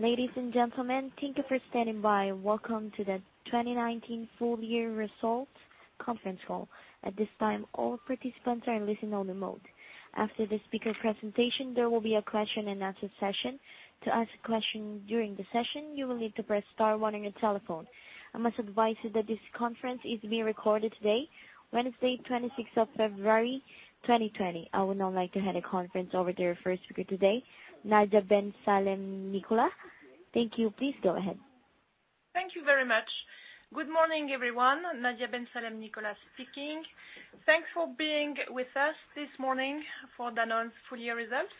Ladies and gentlemen, thank you for standing by. Welcome to the 2019 full year results conference call. At this time, all participants are in listen-only mode. After the speaker presentation, there will be a question and answer session. To ask a question during the session, you will need to press star one on your telephone. I must advise you that this conference is being recorded today, Wednesday, 26th of February, 2020. I would now like to hand the conference over to our first speaker today, Nadia Ben Salem-Nicolas. Thank you. Please go ahead. Thank you very much. Good morning, everyone. Nadia Ben Salem-Nicolas speaking. Thanks for being with us this morning for Danone's full year results.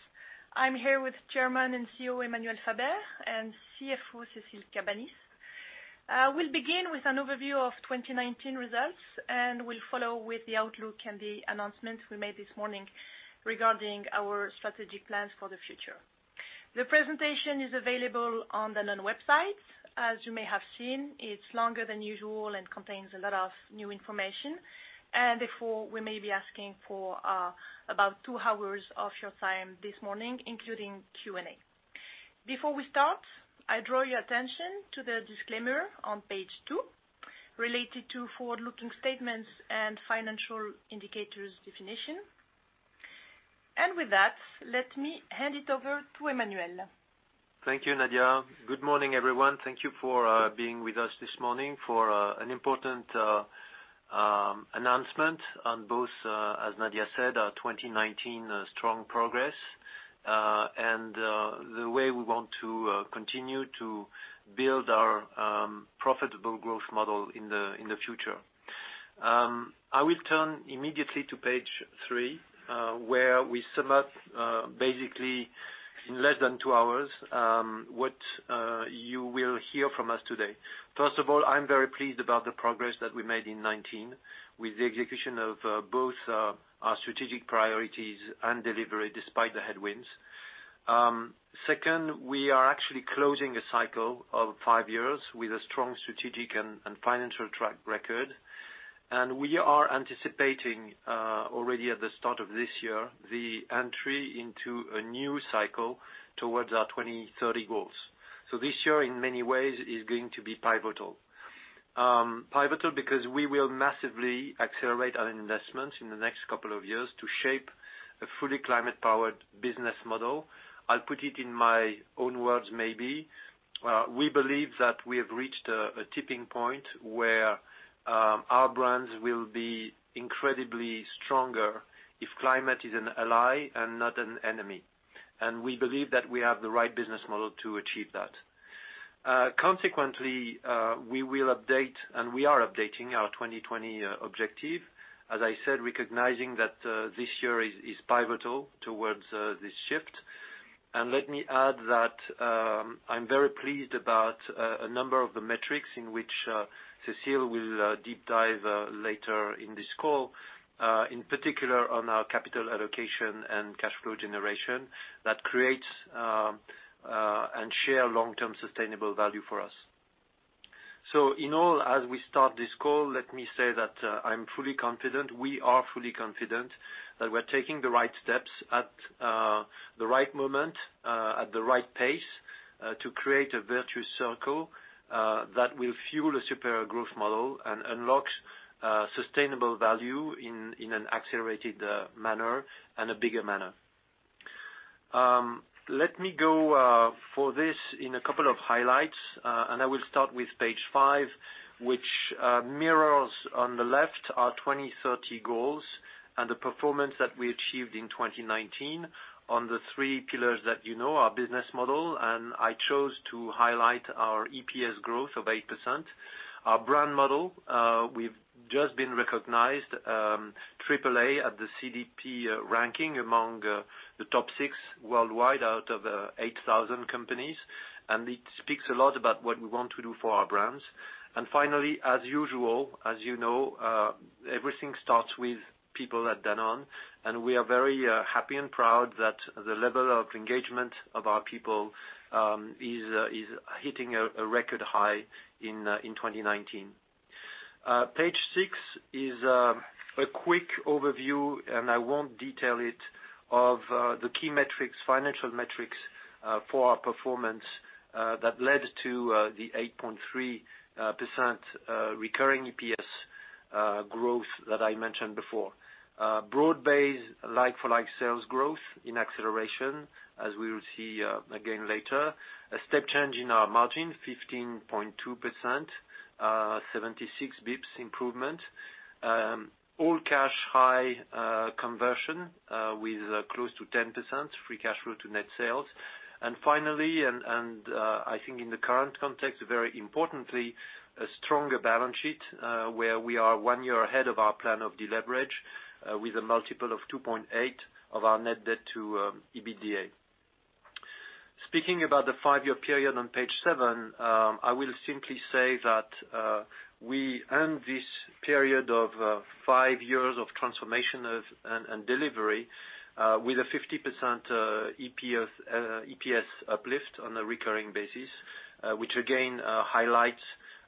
I'm here with Chairman and CEO, Emmanuel Faber, and CFO, Cécile Cabanis. We'll begin with an overview of 2019 results, and we'll follow with the outlook and the announcements we made this morning regarding our strategic plans for the future. The presentation is available on the Danone website. As you may have seen, it's longer than usual and contains a lot of new information. Therefore, we may be asking for about two hours of your time this morning, including Q&A. Before we start, I draw your attention to the disclaimer on page two related to forward-looking statements and financial indicators definition. With that, let me hand it over to Emmanuel. Thank you, Nadia. Good morning, everyone. Thank you for being with us this morning for an important announcement on both, as Nadia said, our 2019 strong progress, and the way we want to continue to build our profitable growth model in the future. I will turn immediately to page three, where we sum up, basically in less than two hours, what you will hear from us today. First of all, I'm very pleased about the progress that we made in 2019 with the execution of both our strategic priorities and delivery despite the headwinds. Second, we are actually closing a cycle of five years with a strong strategic and financial track record, and we are anticipating, already at the start of this year, the entry into a new cycle towards our 2030 goals. This year, in many ways, is going to be pivotal. Pivotal because we will massively accelerate our investments in the next couple of years to shape a fully climate powered business model. I'll put it in my own words maybe. We believe that we have reached a tipping point where our brands will be incredibly stronger if climate is an ally and not an enemy. We believe that we have the right business model to achieve that. Consequently, we will update, and we are updating our 2020 objective, as I said, recognizing that this year is pivotal towards this shift. Let me add that I'm very pleased about a number of the metrics in which Cécile will deep dive later in this call, in particular on our capital allocation and cash flow generation that creates, and share long-term sustainable value for us. In all, as we start this call, let me say that I'm fully confident, we are fully confident that we're taking the right steps at the right moment, at the right pace, to create a virtuous circle, that will fuel a superior growth model and unlock sustainable value in an accelerated manner and a bigger manner. Let me go for this in a couple of highlights. I will start with page five, which mirrors on the left our 2030 goals and the performance that we achieved in 2019 on the three pillars that you know, our business model. I chose to highlight our EPS growth of 8%. Our brand model, we've just been recognized AAA at the CDP ranking among the top six worldwide out of 8,000 companies. It speaks a lot about what we want to do for our brands. Finally, as usual, as you know, everything starts with people at Danone, and we are very happy and proud that the level of engagement of our people is hitting a record high in 2019. Page six is a quick overview, and I won't detail it, of the key metrics, financial metrics, for our performance, that led to the 8.3% recurring EPS growth that I mentioned before. Broad-based like-for-like sales growth in acceleration as we will see again later. A step change in our margin, 15.2%, 76 basis points improvement. All cash high conversion with close to 10% free cash flow to net sales. Finally, and I think in the current context, very importantly, a stronger balance sheet, where we are one year ahead of our plan of deleverage, with a multiple of 2.8 of our net debt to EBITDA. Speaking about the five-year period on page seven, I will simply say that we end this period of five years of transformation and delivery, with a 50% EPS uplift on a recurring basis, which again, highlights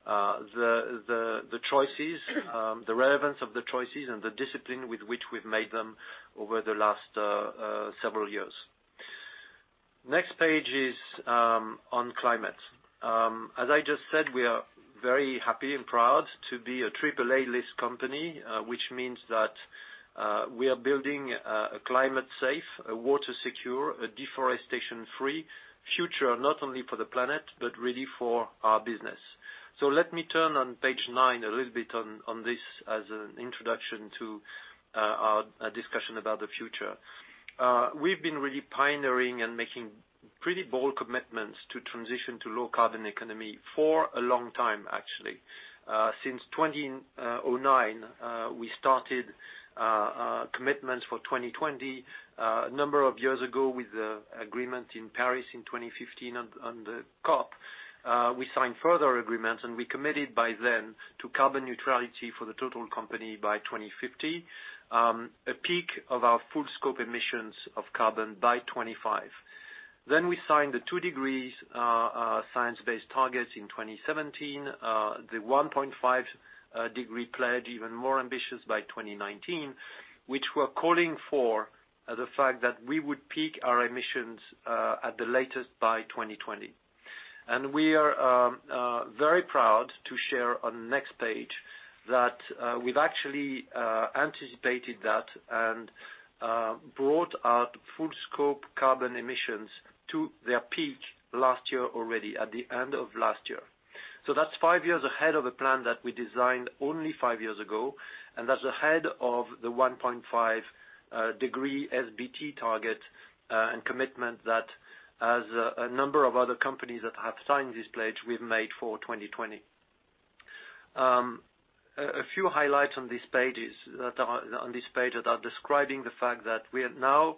the choices, the relevance of the choices and the discipline with which we've made them over the last several years. Next page is on climate. As I just said, we are very happy and proud to be a AAA list company, which means that we are building a climate safe, a water secure, a deforestation free future, not only for the planet, but really for our business. Let me turn on page nine a little bit on this as an introduction to our discussion about the future. We've been really pioneering and making pretty bold commitments to transition to low carbon economy for a long time, actually. Since 2009, we started commitments for 2020. A number of years ago with the agreement in Paris in 2015 on the COP21, we signed further agreements. We committed by then to carbon neutrality for the total company by 2050, a peak of our full scope emissions of carbon by 2025. We signed the 2 degrees, science-based targets in 2017. The 1.5 degree pledge, even more ambitious by 2019, which were calling for the fact that we would peak our emissions, at the latest by 2020. We are very proud to share on the next page that we've actually anticipated that and brought our full scope carbon emissions to their peak last year already, at the end of last year. That's five years ahead of a plan that we designed only five years ago, and that's ahead of the 1.5 degree SBT target, and commitment that as a number of other companies that have signed this pledge, we've made for 2020. A few highlights on this page that are describing the fact that we are now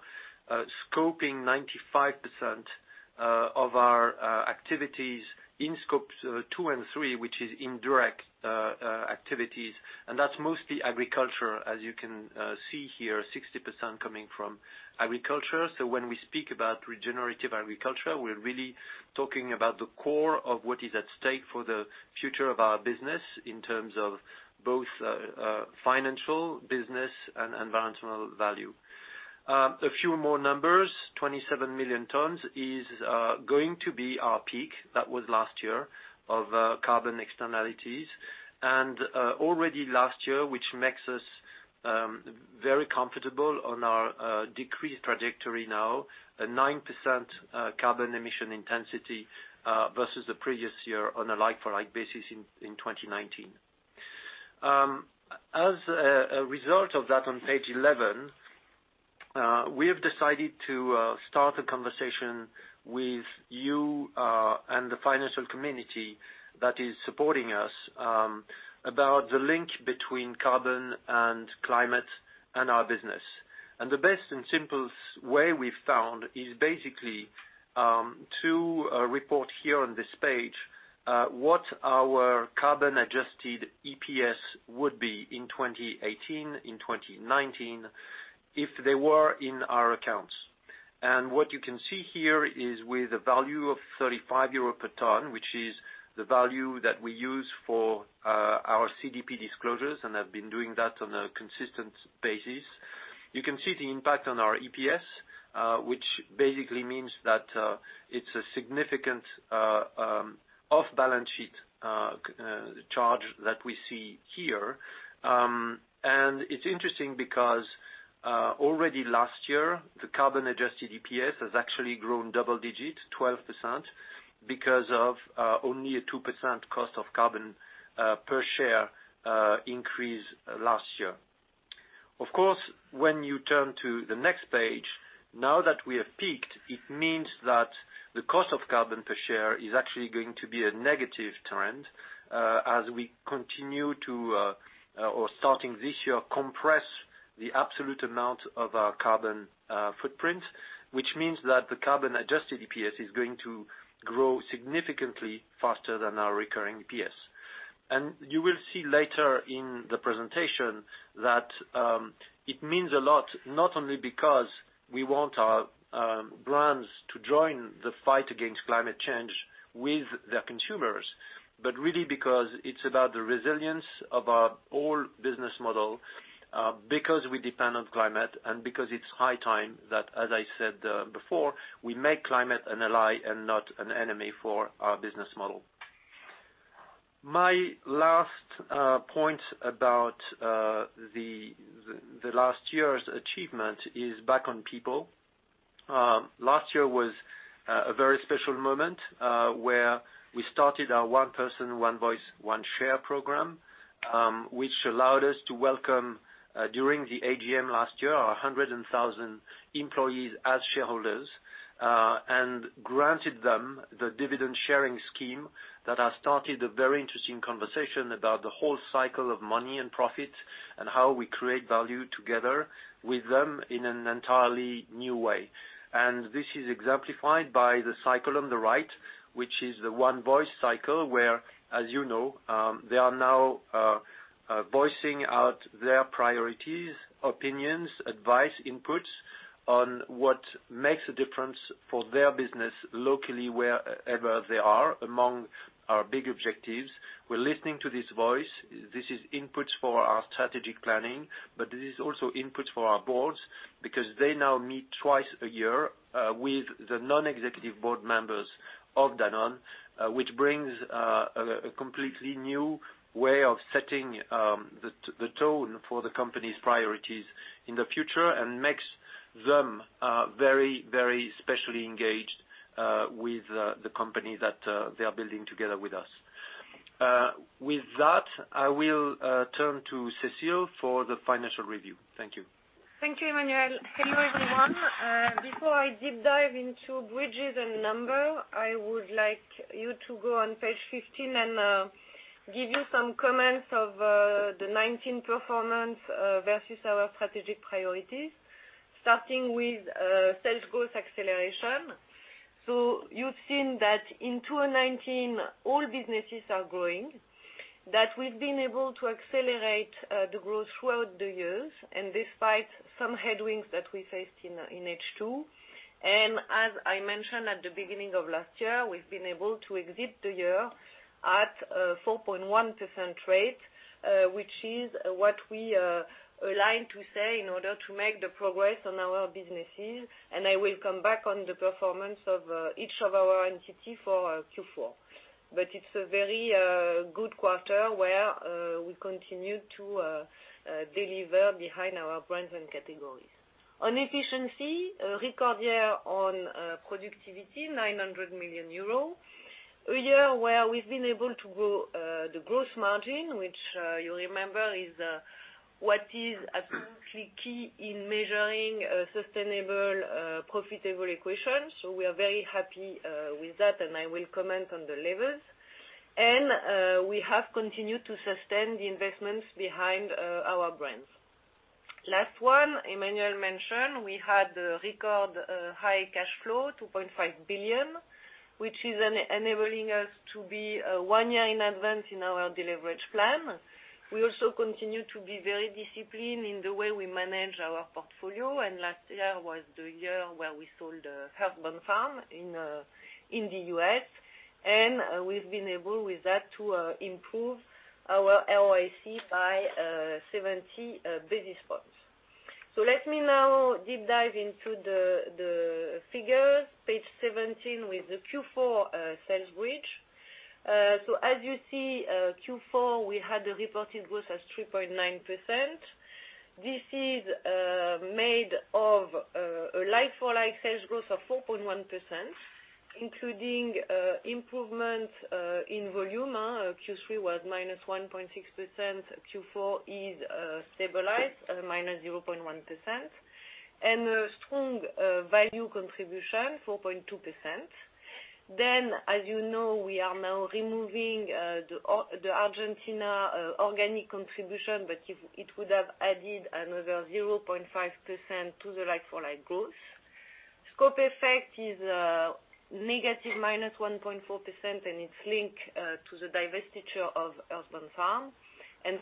scoping 95% of our activities in scopes two and three, which is indirect activities, and that's mostly agriculture, as you can see here, 60% coming from agriculture. When we speak about regenerative agriculture, we're really talking about the core of what is at stake for the future of our business in terms of both financial, business, and environmental value. A few more numbers, 27 million tons is going to be our peak. That was last year of carbon externalities. Already last year, which makes us very comfortable on our decreased trajectory now, a 9% carbon emission intensity, versus the previous year on a like for like basis in 2019. As a result of that, on page 11, we have decided to start a conversation with you, and the financial community that is supporting us, about the link between carbon and climate and our business. The best and simplest way we’ve found is basically to report here on this page what our carbon adjusted EPS would be in 2018, in 2019, if they were in our accounts. What you can see here is with a value of 35 euro per ton, which is the value that we use for our CDP disclosures, and have been doing that on a consistent basis. You can see the impact on our EPS, which basically means that it's a significant off balance sheet charge that we see here. It's interesting because, already last year, the carbon adjusted EPS has actually grown double-digit, 12%, because of only a 2% cost of carbon per share increase last year. Of course, when you turn to the next page, now that we have peaked, it means that the cost of carbon per share is actually going to be a negative trend as we continue to, or starting this year, compress the absolute amount of our carbon footprint. This means that the carbon adjusted EPS is going to grow significantly faster than our recurring EPS. You will see later in the presentation that it means a lot, not only because we want our brands to join the fight against climate change with their consumers, but really because it's about the resilience of our overall business model, because we depend on climate and because it's high time that, as I said before, we make climate an ally and not an enemy for our business model. My last point about the last year's achievement is back on people. Last year was a very special moment, where we started our One Person, One Voice, One Share program, which allowed us to welcome, during the AGM last year, our 100,000 employees as shareholders, and granted them the dividend sharing scheme that has started a very interesting conversation about the whole cycle of money and profit and how we create value together with them in an entirely new way. This is exemplified by the cycle on the right, which is the One Voice cycle, where, as you know, they are now voicing out their priorities, opinions, advice, inputs on what makes a difference for their business locally, wherever they are, among our big objectives. We're listening to this voice. This is input for our strategic planning, but this is also input for our boards, because they now meet twice a year with the non-executive board members of Danone, which brings a completely new way of setting the tone for the company's priorities in the future, and makes them very, very specially engaged with the company that they are building together with us. With that, I will turn to Cécile for the financial review. Thank you. Thank you, Emmanuel. Hello, everyone. Before I deep dive into bridges and numbers, I would like you to go on page 15 and give you some comments of the 2019 performance versus our strategic priorities, starting with sales growth acceleration. You've seen that in 2019, all businesses are growing, that we've been able to accelerate the growth throughout the years, despite some headwinds that we faced in H2. As I mentioned at the beginning of last year, we've been able to exit the year at a 4.1% rate, which is what we aligned to say in order to make the progress on our businesses. I will come back on the performance of each of our entity for Q4. It's a very good quarter where we continue to deliver behind our brands and categories. On efficiency, a record year on productivity, 900 million euro. A year where we've been able to grow the gross margin, which you remember is what is absolutely key in measuring a sustainable, profitable equation. We are very happy with that, and I will comment on the levels. We have continued to sustain the investments behind our brands. Last one, Emmanuel mentioned we had a record high cash flow, 2.5 billion, which is enabling us to be one year in advance in our de-leverage plan. We also continue to be very disciplined in the way we manage our portfolio, and last year was the year where we sold Earthbound Farm in the U.S. We've been able, with that, to improve our ROIC by 70 basis points. Let me now deep dive into the figures. Page 17 with the Q4 sales bridge. As you see, Q4, we had the reported growth as 3.9%. This is made of a like-for-like sales growth of 4.1%, including improvement in volume. Q3 was -1.6%, Q4 is stabilized at -0.1%. A strong value contribution, 4.2%. As you know, we are now removing the Argentina organic contribution, but it would have added another 0.5% to the like-for-like growth. Scope effect is a negative -1.4%, and it's linked to the divestiture of Earthbound Farm.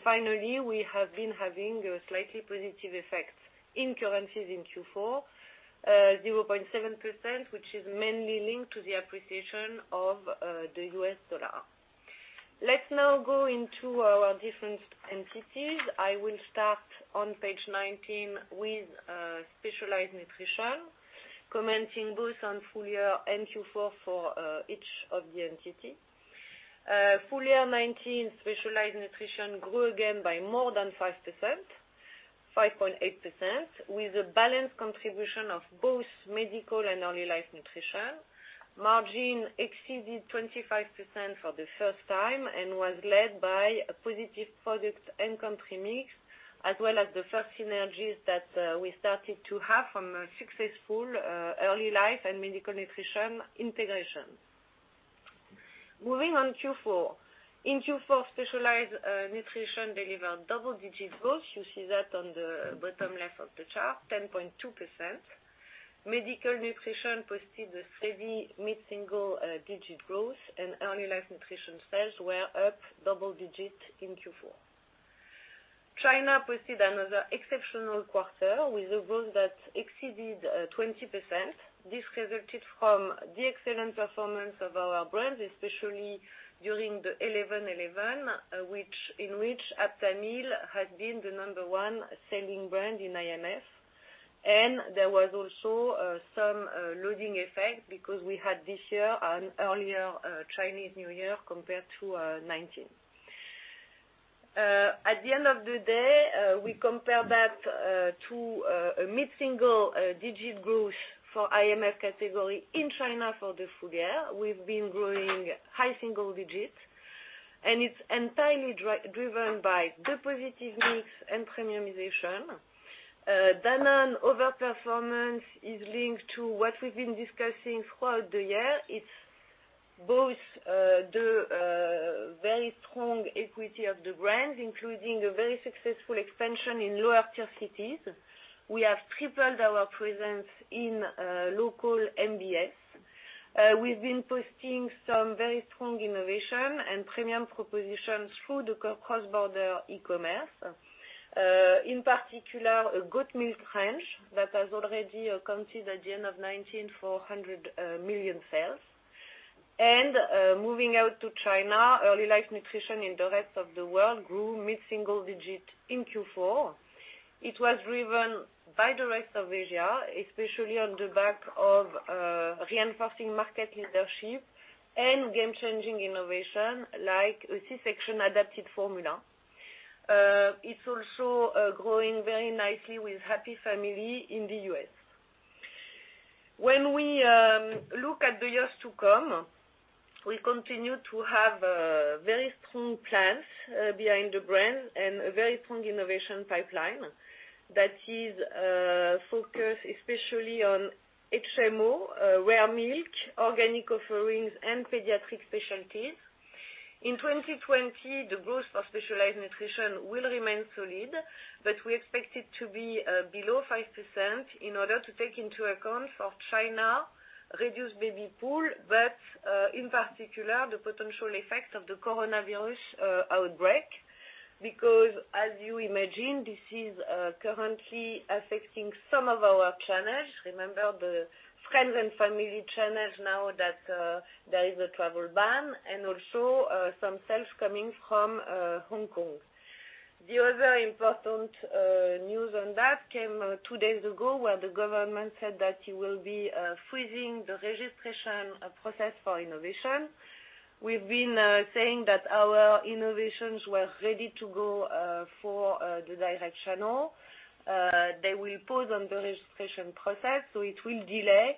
Finally, we have been having a slightly positive effect in currencies in Q4, 0.7%, which is mainly linked to the appreciation of the US dollar. Let's now go into our different entities. I will start on page 19 with Specialized Nutrition, commenting both on full year and Q4 for each of the entity. Full year 2019, Specialized Nutrition grew again by more than 5%, 5.8%, with a balanced contribution of both Medical Nutrition and Early Life Nutrition. Margin exceeded 25% for the first time was led by a positive product and country mix, as well as the first synergies that we started to have from a successful Early Life and Medical Nutrition integration. Moving on Q4. In Q4, Specialized Nutrition delivered double-digit growth. You see that on the bottom left of the chart, 10.2%. Medical Nutrition posted a steady mid-single digit growth, and Early Life Nutrition sales were up double digit in Q4. China posted another exceptional quarter with a growth that exceeded 20%. This resulted from the excellent performance of our brands, especially during the 11.11, in which Aptamil had been the number one selling brand in IMF. There was also some loading effect because we had this year an earlier Chinese New Year compared to 2019. At the end of the day, we compare that to a mid-single-digit growth for IMF category in China for the full year. We've been growing high-single-digits, and it's entirely driven by the positive mix and premiumization. Danone overperformance is linked to what we've been discussing throughout the year. It's both the very strong equity of the brand, including a very successful expansion in lower-tier cities. We have tripled our presence in local MBS. We've been posting some very strong innovation and premium propositions through the cross-border e-commerce. In particular, a goat milk range that has already accounted at the end of 2019 for 100 million sales. Moving out to China, Early Life Nutrition in the rest of the world grew mid-single-digit in Q4. It was driven by the rest of Asia, especially on the back of reinforcing market leadership and game-changing innovation like a C-section adapted formula. It's also growing very nicely with Happy Family in the U.S. When we look at the years to come, we continue to have very strong plans behind the brand and a very strong innovation pipeline that is focused especially on HMO, rare milk, organic offerings, and pediatric specialties. In 2020, the growth for Specialized Nutrition will remain solid, but we expect it to be below 5% in order to take into account for China reduced baby pool, but in particular, the potential effect of the coronavirus outbreak. As you imagine, this is currently affecting some of our channels. Remember the friends and family channels now that there is a travel ban, and also some sales coming from Hong Kong. The other important news on that came two days ago where the government said that it will be freezing the registration process for innovation. We've been saying that our innovations were ready to go for the direct channel. They will pause on the registration process. It will delay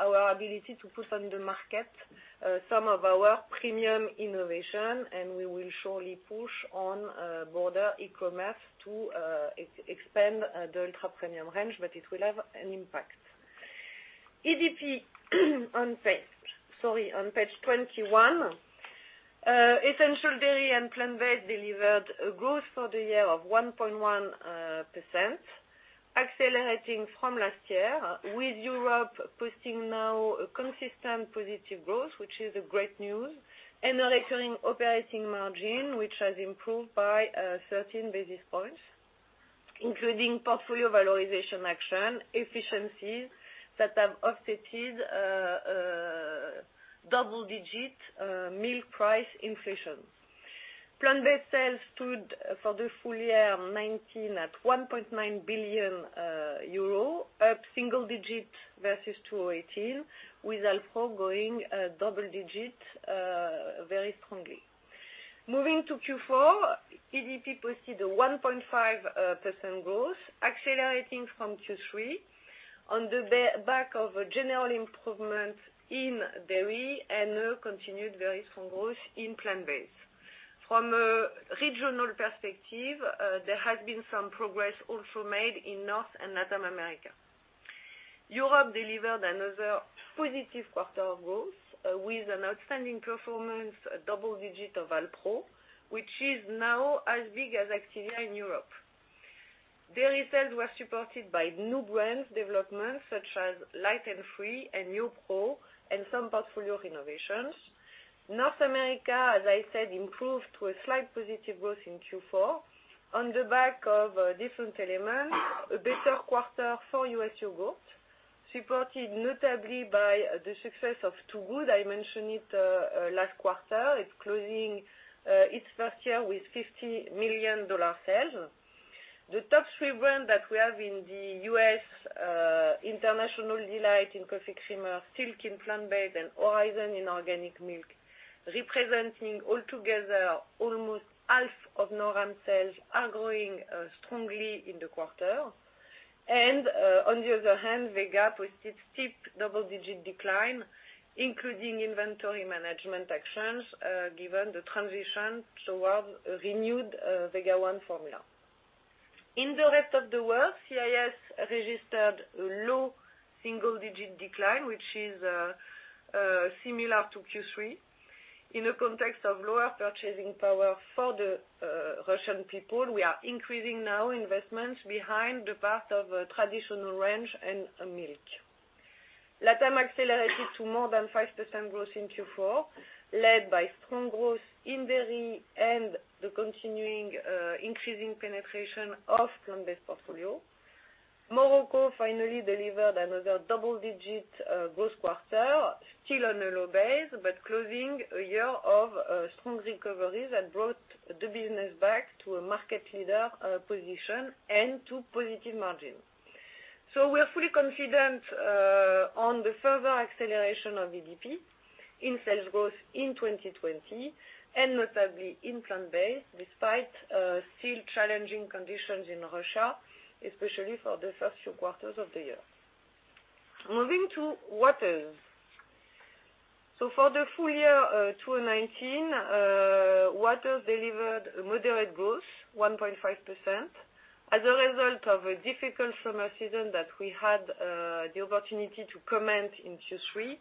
our ability to put on the market some of our premium innovation. We will surely push on border e-commerce to expand the ultra-premium range. It will have an impact. EDP on page 21. Essential Dairy and Plant-based delivered a growth for the year of 1.1%, accelerating from last year, with Europe posting now a consistent positive growth, which is a great news and a recurring operating margin, which has improved by 13 basis points, including portfolio valorization action efficiencies that have offsetted double-digit milk price inflation. Plant-based sales stood for the full year 2019 at 1.9 billion euro, up single digit versus 2018, with Alpro growing double digit very strongly. Moving to Q4, EDP posted a 1.5% growth, accelerating from Q3 on the back of a general improvement in dairy and a continued very strong growth in plant-based. From a regional perspective, there has been some progress also made in North and Latin America. Europe delivered another positive quarter of growth with an outstanding performance, a double digit of Alpro, which is now as big as Activia in Europe. Dairy sales were supported by new brands developments such as Light & Free and YoPRO and some portfolio renovations. North America, as I said, improved to a slight positive growth in Q4 on the back of different elements. A better quarter for U.S. Yogurt, supported notably by the success of Two Good, I mentioned it last quarter. It's closing its first year with EUR 50 million sales. The top three brands that we have in the U.S., International Delight in coffee creamer, Silk in plant-based, and Horizon Organic in organic milk, representing all together almost half of NORAM sales, are growing strongly in the quarter. On the other hand, Vega with its steep double-digit decline, including inventory management actions, given the transition towards renewed Vega One formula. In the rest of the world, CIS registered a low single-digit decline, which is similar to Q3. In a context of lower purchasing power for the Russian people, we are increasing now investments behind the part of traditional range and milk. LATAM accelerated to more than 5% growth in Q4, led by strong growth in dairy and the continuing increasing penetration of plant-based portfolio. Morocco finally delivered another double-digit growth quarter, still on a low base, but closing a year of strong recoveries that brought the business back to a market leader position and to positive margin. We are fully confident on the further acceleration of EDP in sales growth in 2020 and notably in plant-based, despite still challenging conditions in Russia, especially for the first few quarters of the year. Moving to Waters. For the full year 2019, Waters delivered moderate growth, 1.5%, as a result of a difficult summer season that we had the opportunity to comment in Q3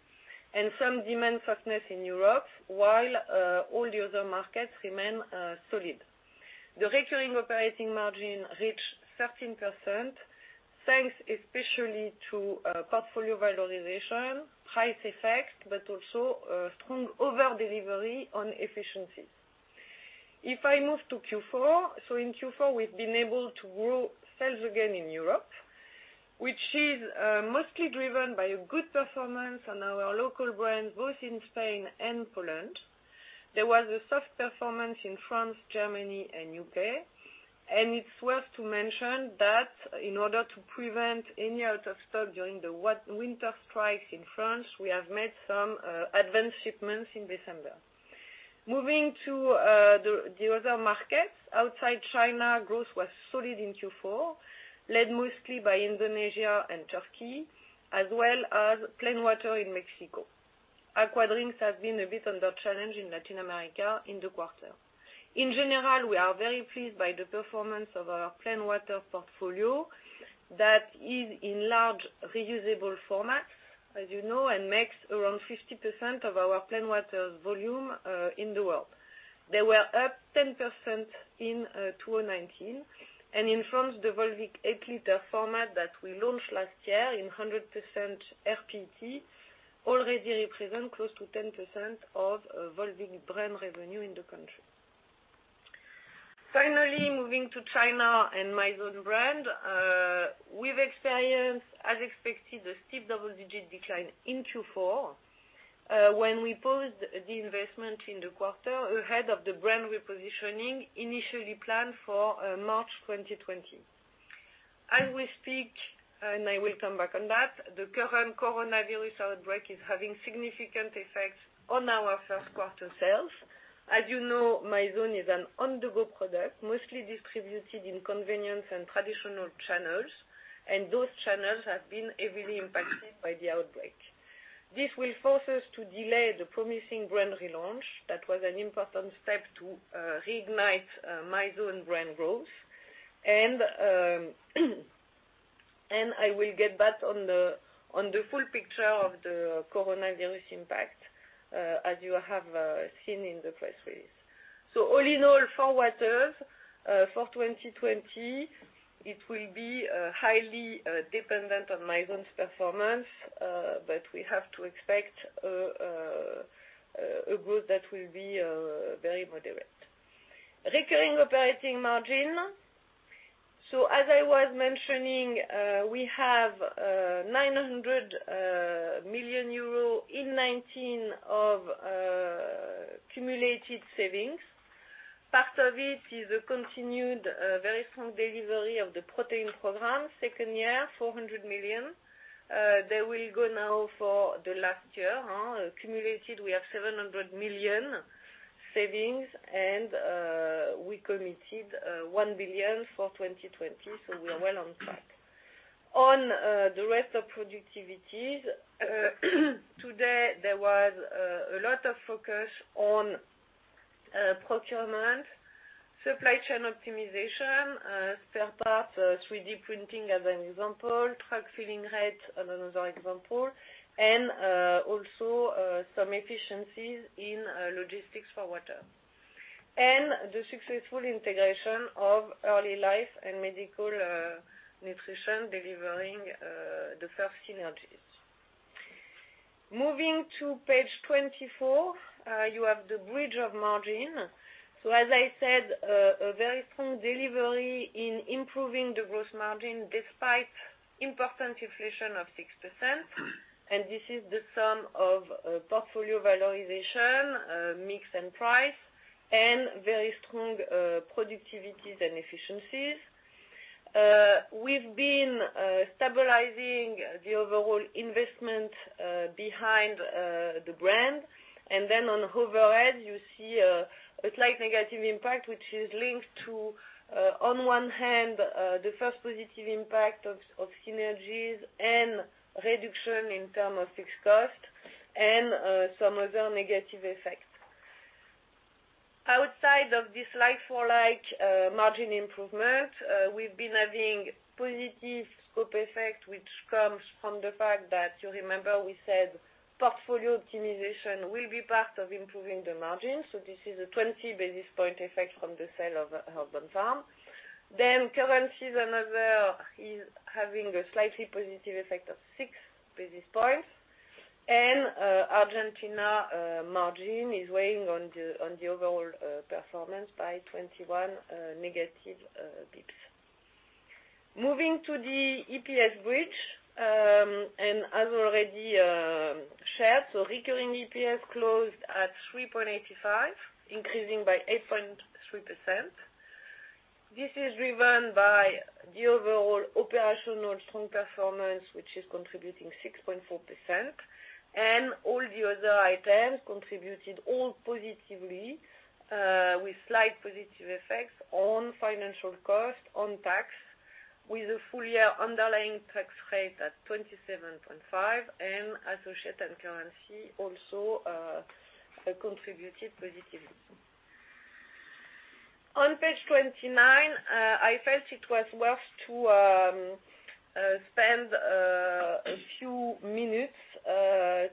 and some demand softness in Europe, while all the other markets remain solid. The recurring operating margin reached 13%, thanks especially to portfolio valorization, price effect, but also strong over-delivery on efficiency. If I move to Q4, in Q4, we've been able to grow sales again in Europe, which is mostly driven by a good performance on our local brands, both in Spain and Poland. There was a soft performance in France, Germany, and U.K. It's worth to mention that in order to prevent any out of stock during the winter strikes in France, we have made some advance shipments in December. Moving to the other markets outside China, growth was solid in Q4, led mostly by Indonesia and Turkey, as well as plain water in Mexico. Aqua drinks has been a bit under challenge in Latin America in the quarter. In general, we are very pleased by the performance of our plain water portfolio that is in large reusable formats, as you know, and makes around 50% of our plain water volume in the world. They were up 10% in 2019. In France, the Volvic 8-liter format that we launched last year in 100% rPET already represent close to 10% of Volvic brand revenue in the country. Moving to China and Mizone brand, we've experienced, as expected, a steep double-digit decline in Q4, when we paused the investment in the quarter ahead of the brand repositioning initially planned for March 2020. As we speak, and I will come back on that, the current coronavirus outbreak is having significant effects on our first quarter sales. As you know, Mizone is an on-the-go product, mostly distributed in convenience and traditional channels. Those channels have been heavily impacted by the outbreak. This will force us to delay the promising brand relaunch that was an important step to reignite Mizone brand growth. I will get back on the full picture of the coronavirus impact, as you have seen in the press release. All in all, for waters, for 2020, it will be highly dependent on Mizone's performance. We have to expect a growth that will be very moderate. Recurring operating margin. As I was mentioning, we have 900 million euro in 2019 of cumulated savings. Part of it is a continued, very strong delivery of the protein program. Second year, 400 million. They will go now for the last year. Cumulated, we have 700 million savings. We committed 1 billion for 2020. We are well on track. On the rest of productivities, today, there was a lot of focus on procurement, supply chain optimization, spare parts, 3D printing as an example, truck filling rate as another example, also, some efficiencies in logistics for water. The successful integration of Early Life Nutrition and Medical Nutrition delivering the first synergies. Moving to page 24, you have the bridge of margin. As I said, a very strong delivery in improving the gross margin despite important inflation of 6%, and this is the sum of portfolio valorization, mix and price, and very strong productivities and efficiencies. We've been stabilizing the overall investment behind the brand, then on overhead, you see a slight negative impact, which is linked to, on one hand, the first positive impact of synergies and reduction in term of fixed cost and some other negative effects. Outside of this like for like margin improvement, we've been having positive scope effect, which comes from the fact that you remember we said portfolio optimization will be part of improving the margin. This is a 20 basis point effect from the sale of the Earthbound Farm. Currency is another, is having a slightly positive effect of six basis points. Argentina margin is weighing on the overall performance by 21 negative basis points. Moving to the EPS bridge, as already shared, recurring EPS closed at 3.85, increasing by 8.3%. This is driven by the overall operational strong performance, which is contributing 6.4%, and all the other items contributed all positively, with slight positive effects on financial cost, on tax, with a full year underlying tax rate at 27.5%, and associate and currency also contributed positively. On page 29, I felt it was worth to spend minutes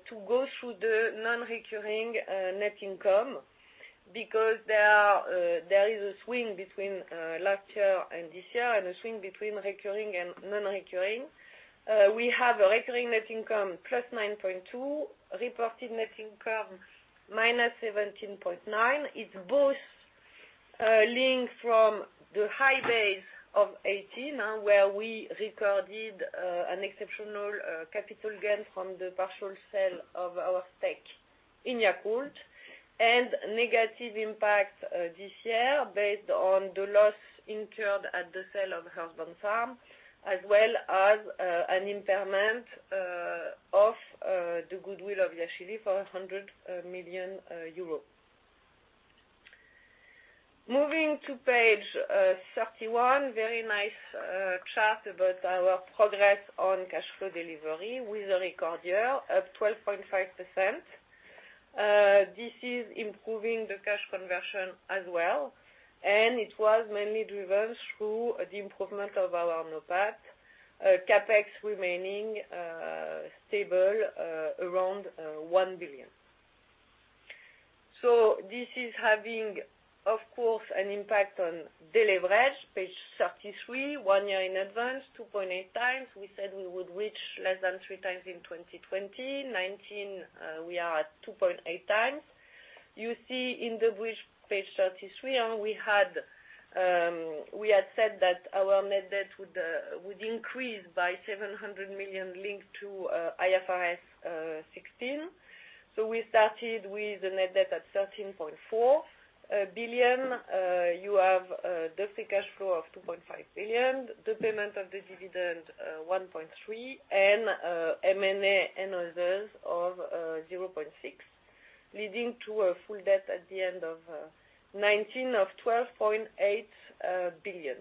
to go through the non-recurring net income, because there is a swing between last year and this year, and a swing between recurring and non-recurring. We have a recurring net income, +9.2. Reported net income, -17.9. It's both linked from the high base of 2018, where we recorded an exceptional capital gain from the partial sale of our stake in Yakult. Negative impact this year based on the loss incurred at the sale of Earthbound Farm, as well as an impairment of the goodwill of La Chèvre for 100 million euros. Moving to page 31, very nice chart about our progress on cash flow delivery with a record year, up 12.5%. This is improving the cash conversion as well, and it was mainly driven through the improvement of our NOPAT, CapEx remaining stable around 1 billion. This is having, of course, an impact on de-leverage. Page 33, one year in advance, 2.8x. We said we would reach less than three times in 2020. 2019, we are at 2.8x. You see in the bridge, page 33, we had said that our net debt would increase by 700 million linked to IFRS 16. We started with a net debt at 13.4 billion. You have the free cash flow of 2.5 billion, the payment of the dividend, 1.3 billion, and M&A and others of 0.6 billion, leading to a full debt at the end of 2019 of 12.8 billion.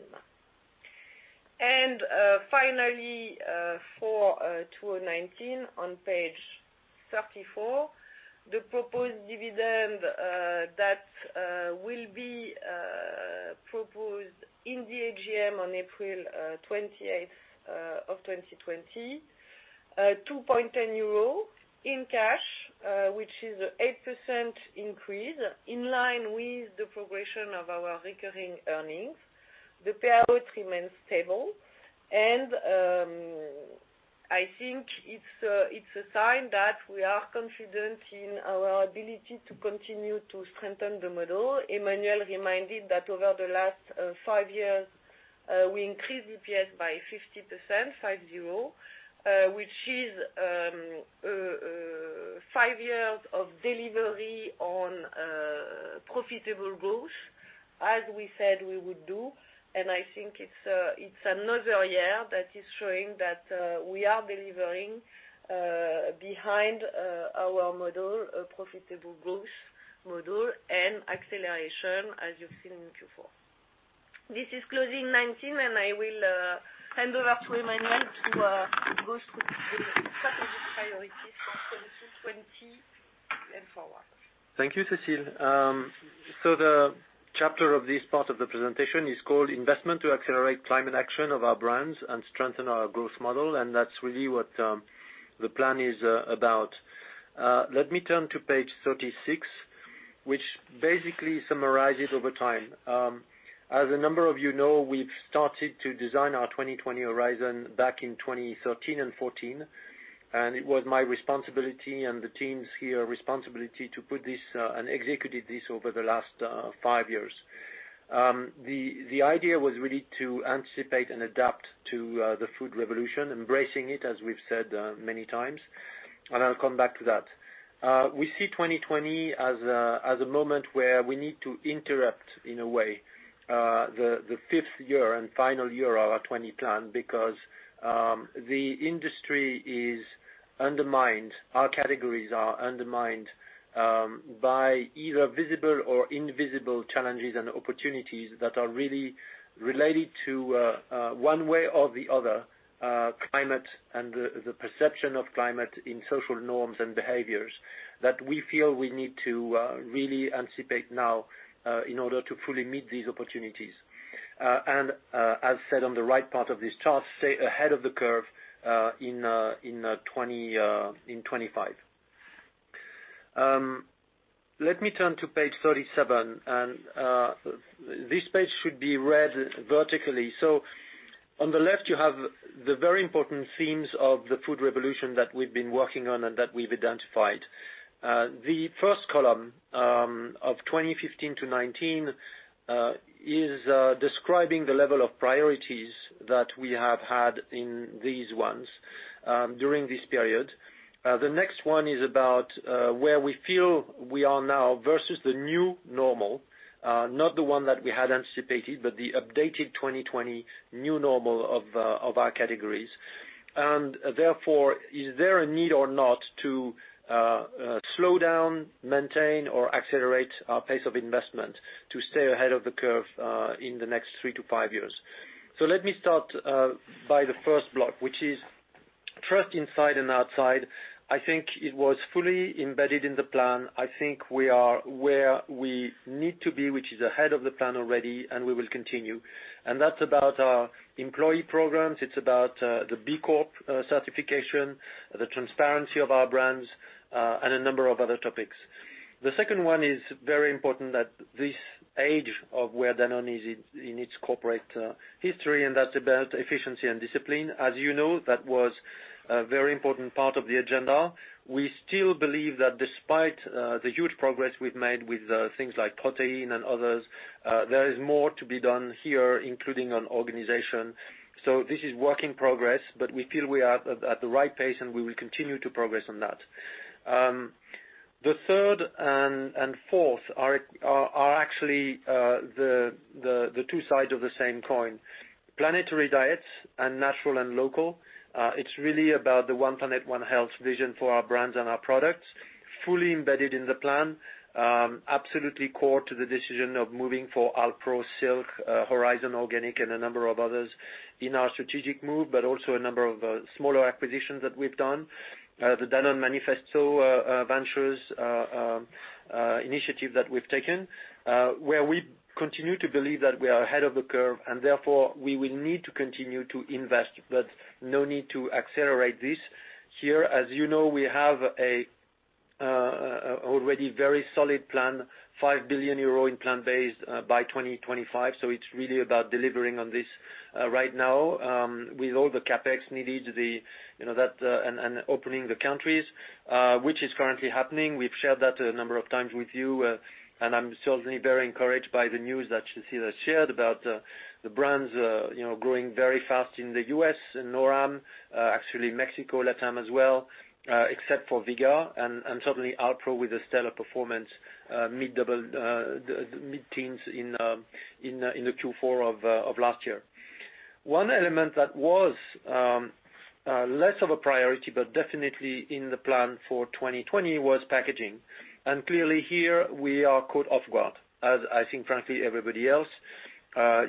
Finally, for 2019, on page 34, the proposed dividend that will be proposed in the AGM on April 28, 2020, 2.10 euro in cash, which is 8% increase in line with the progression of our recurring earnings. The payout remains stable. I think it's a sign that we are confident in our ability to continue to strengthen the model. Emmanuel reminded that over the last five years, we increased EPS by 50%, five-zero, which is five years of delivery on profitable growth as we said we would do. I think it's another year that is showing that we are delivering behind our model, a profitable growth model and acceleration, as you've seen in Q4. This is closing 2019. I will hand over to Emmanuel to go through the strategic priorities for 2020 and forward. Thank you, Cécile. The chapter of this part of the presentation is called Investment to Accelerate Climate Action of Our Brands and Strengthen Our Growth Model, and that's really what the plan is about. Let me turn to page 36, which basically summarizes over time. As a number of you know, we've started to design our 2020 horizon back in 2013 and 2014. It was my responsibility and the teams here responsibility to put this and executed this over the last five years. The idea was really to anticipate and adapt to the food revolution, embracing it, as we've said many times, I'll come back to that. We see 2020 as a moment where we need to interrupt, in a way, the fifth year and final year of our 2020 plan because, the industry is undermined, our categories are undermined by either visible or invisible challenges and opportunities that are really related to, one way or the other, climate and the perception of climate in social norms and behaviors. We feel we need to really anticipate now, in order to fully meet these opportunities. As said on the right part of this chart, stay ahead of the curve in 2025. Let me turn to page 37. This page should be read vertically. On the left, you have the very important themes of the food revolution that we've been working on and that we've identified. The first column, of 2015 to 2019, is describing the level of priorities that we have had in these ones during this period. The next one is about where we feel we are now versus the new normal, not the one that we had anticipated, but the updated 2020 new normal of our categories. Therefore, is there a need or not to slow down, maintain, or accelerate our pace of investment to stay ahead of the curve in the next three to five years? Let me start by the first block, which is trust inside and outside. I think it was fully embedded in the plan. I think we are where we need to be, which is ahead of the plan already, and we will continue. That's about our employee programs, it's about the B Corp certification, the transparency of our brands, and a number of other topics. The second one is very important at this age of where Danone is in its corporate history, and that's about efficiency and discipline. As you know, that was a very important part of the agenda. We still believe that despite the huge progress we've made with things like protein and others, there is more to be done here, including on organization. This is work in progress, but we feel we are at the right pace, and we will continue to progress on that. The third and fourth are actually the two sides of the same coin. Planetary diets and natural and local, it's really about the One Planet, One Health vision for our brands and our products, fully embedded in the plan, absolutely core to the decision of moving for Alpro, Silk, Horizon Organic, and a number of others in our strategic move, but also a number of smaller acquisitions that we've done. The Danone Manifesto Ventures initiative that we've taken, where we continue to believe that we are ahead of the curve, and therefore, we will need to continue to invest, but no need to accelerate this. Here, as you know, we have an already very solid plan, 5 billion euro in plant-based by 2025, so it's really about delivering on this right now with all the CapEx needed and opening the countries, which is currently happening. We've shared that a number of times with you, I'm certainly very encouraged by the news that Cécile shared about the brands growing very fast in the U.S. and NORAM, actually Mexico, LATAM as well, except for YoPRO, and certainly Alpro with a stellar performance, mid-teens in the Q4 of last year. One element that was less of a priority, but definitely in the plan for 2020 was packaging. Clearly here we are caught off guard, as I think frankly, everybody else.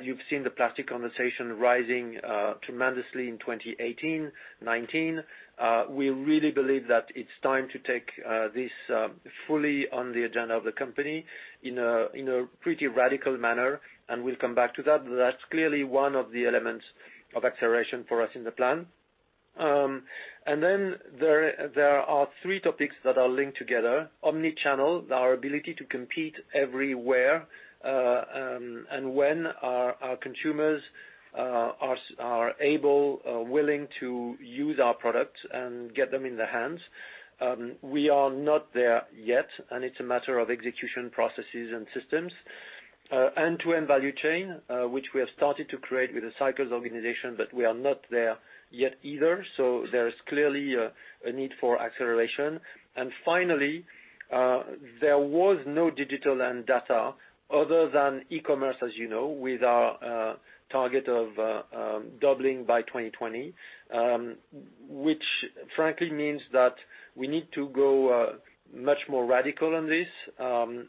You've seen the plastic conversation rising tremendously in 2018, 2019. We really believe that it's time to take this fully on the agenda of the company in a pretty radical manner, and we'll come back to that. That's clearly one of the elements of acceleration for us in the plan. Then there are three topics that are linked together. Omnichannel, our ability to compete everywhere, when our consumers are able, willing to use our products and get them in their hands. We are not there yet, and it's a matter of execution processes and systems. End-to-end value chain, which we have started to create with the One Danone, but we are not there yet either, so there's clearly a need for acceleration. Finally, there was no digital and data other than e-commerce, as you know, with our target of doubling by 2020, which frankly means that we need to go much more radical on this,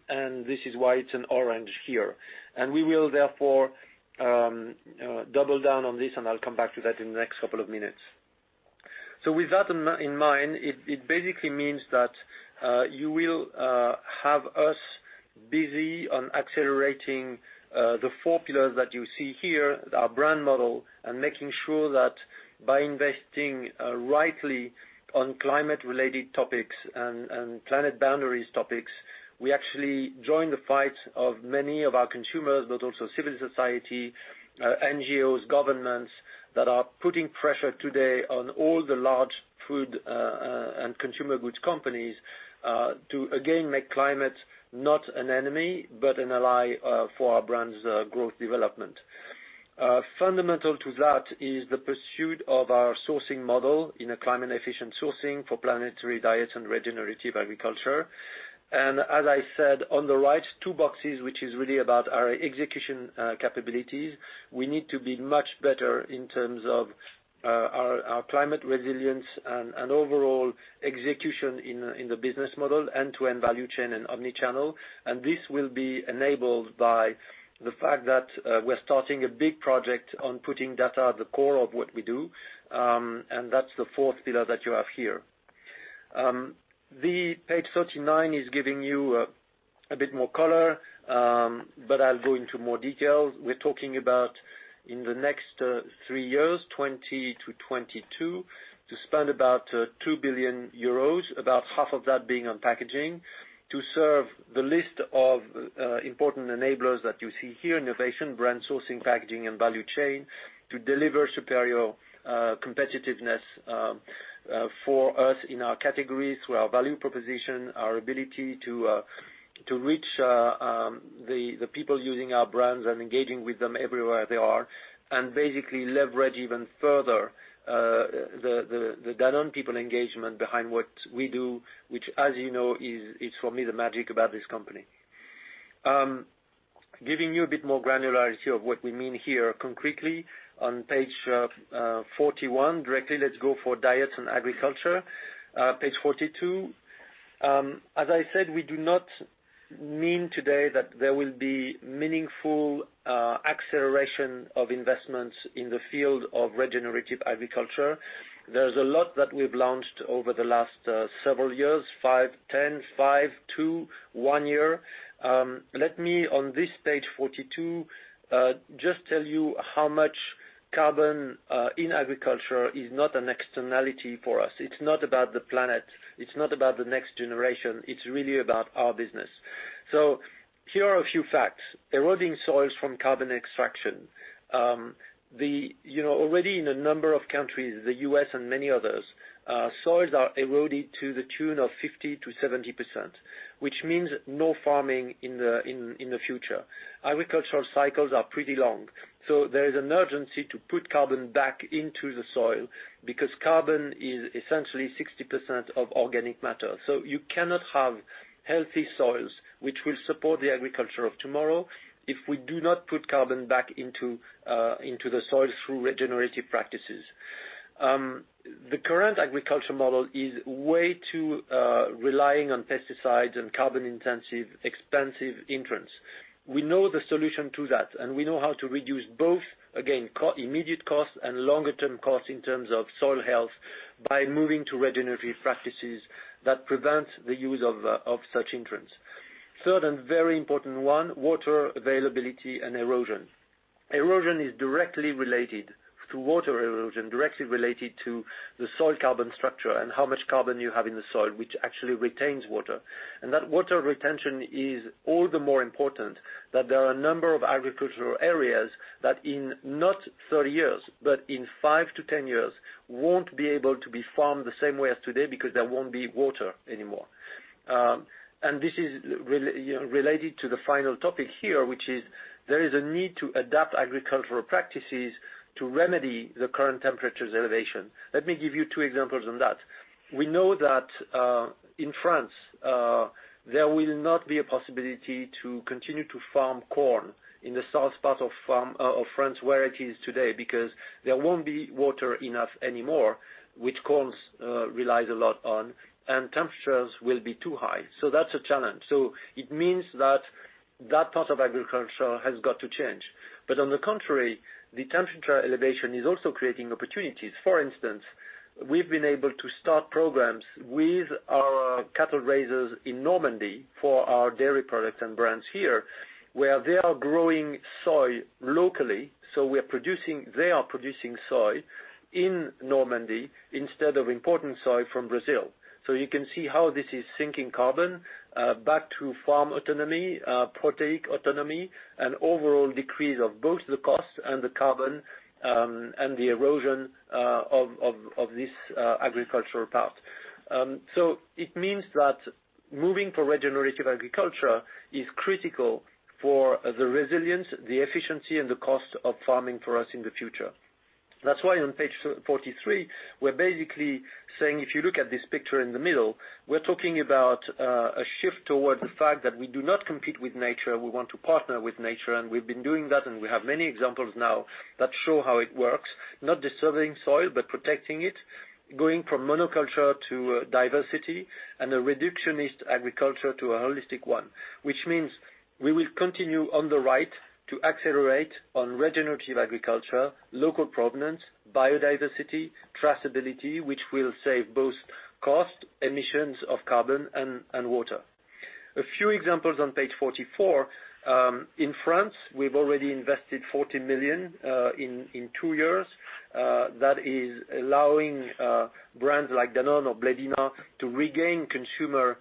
and this is why it's in orange here. We will therefore double down on this, and I'll come back to that in the next couple of minutes. With that in mind, it basically means that you will have us busy on accelerating the four pillars that you see here, our brand model, and making sure that by investing rightly on climate-related topics and planet boundaries topics, we actually join the fight of many of our consumers, but also civil society, NGOs, governments that are putting pressure today on all the large food and consumer goods companies to again make climate not an enemy, but an ally for our brands' growth development. Fundamental to that is the pursuit of our sourcing model in a climate-efficient sourcing for planetary diets and regenerative agriculture. As I said, on the right, two boxes, which is really about our execution capabilities. We need to be much better in terms of our climate resilience and overall execution in the business model, end-to-end value chain and omnichannel. This will be enabled by the fact that we're starting a big project on putting data at the core of what we do, and that's the fourth pillar that you have here. The page 39 is giving you a bit more color. I'll go into more detail. We're talking about in the next three years, 2020-2022, to spend about 2 billion euros, about half of that being on packaging, to serve the list of important enablers that you see here, innovation, brand sourcing, packaging, and value chain, to deliver superior competitiveness for us in our categories, through our value proposition, our ability to reach the people using our brands and engaging with them everywhere they are, and basically leverage even further the Danone people engagement behind what we do, which, as you know, is for me, the magic about this company. Giving you a bit more granularity of what we mean here concretely, on page 41, directly let's go for diets and agriculture. Page 42. As I said, we do not mean today that there will be meaningful acceleration of investments in the field of regenerative agriculture. There's a lot that we've launched over the last several years, five, 10, five, two, one year. Let me, on this page 42, just tell you how much carbon in agriculture is not an externality for us. It's not about the planet, it's not about the next generation. It's really about our business. Here are a few facts. Eroding soils from carbon extraction. Already in a number of countries, the U.S. and many others, soils are eroded to the tune of 50%-70%, which means no farming in the future. Agricultural cycles are pretty long. There is an urgency to put carbon back into the soil, because carbon is essentially 60% of organic matter. You cannot have healthy soils, which will support the agriculture of tomorrow, if we do not put carbon back into the soil through regenerative practices. The current agriculture model is way too relying on pesticides and carbon-intensive, expensive entrants. We know the solution to that, and we know how to reduce both, again, immediate costs and longer-term costs in terms of soil health by moving to regenerative practices that prevent the use of such entrants. Third, and very important one, water availability and erosion. Erosion is directly related to water erosion, directly related to the soil carbon structure and how much carbon you have in the soil, which actually retains water. That water retention is all the more important that there are a number of agricultural areas that in, not 30 years, but in 5-10 years, won't be able to be farmed the same way as today because there won't be water anymore. This is related to the final topic here, which is there is a need to adapt agricultural practices to remedy the current temperatures elevation. Let me give you two examples on that. We know that, in France, there will not be a possibility to continue to farm corn in the south part of France where it is today, because there won't be water enough anymore, which corns relies a lot on, and temperatures will be too high. That's a challenge. It means that part of agriculture has got to change. On the contrary, the temperature elevation is also creating opportunities. For instance, we've been able to start programs with our cattle raisers in Normandy for our dairy product and brands here, where they are growing soy locally. They are producing soy in Normandy instead of importing soy from Brazil. You can see how this is sinking carbon back to farm autonomy, protein autonomy, and overall decrease of both the cost and the carbon, and the erosion of this agricultural part. It means that moving for regenerative agriculture is critical for the resilience, the efficiency, and the cost of farming for us in the future. That's why on page 43, we're basically saying, if you look at this picture in the middle, we're talking about a shift toward the fact that we do not compete with nature. We want to partner with nature. We've been doing that. We have many examples now that show how it works. Not disturbing soil, but protecting it, going from monoculture to diversity, a reductionist agriculture to a holistic one. Which means we will continue on the right to accelerate on regenerative agriculture, local provenance, biodiversity, traceability, which will save both cost, emissions of carbon and water. A few examples on page 44. In France, we've already invested 40 million in two years. That is allowing brands like Danone or Blédina to regain consumer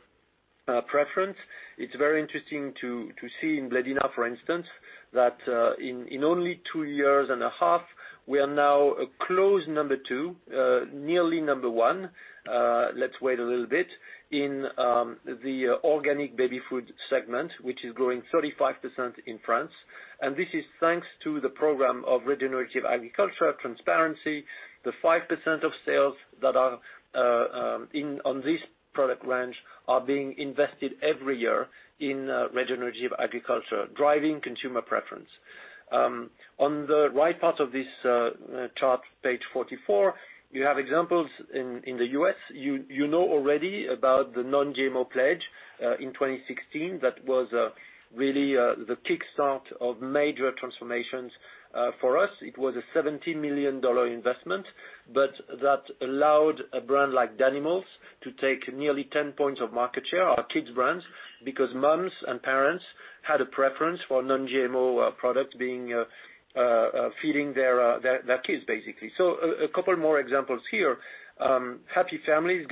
preference. It's very interesting to see in Blédina, for instance, that in only two years and a half, we are now a close number two, nearly number one, let's wait a little bit, in the organic baby food segment, which is growing 35% in France. This is thanks to the program of regenerative agriculture transparency. The 5% of sales that are on this product range are being invested every year in regenerative agriculture, driving consumer preference. On the right part of this chart, page 44, you have examples in the U.S. You know already about the non-GMO pledge, in 2016. That was really the kickstart of major transformations for us. It was a $17 million investment, but that allowed a brand like Danimals to take nearly 10 points of market share, our kids brands, because moms and parents had a preference for non-GMO products feeding their kids basically. A couple more examples here. Happy Family is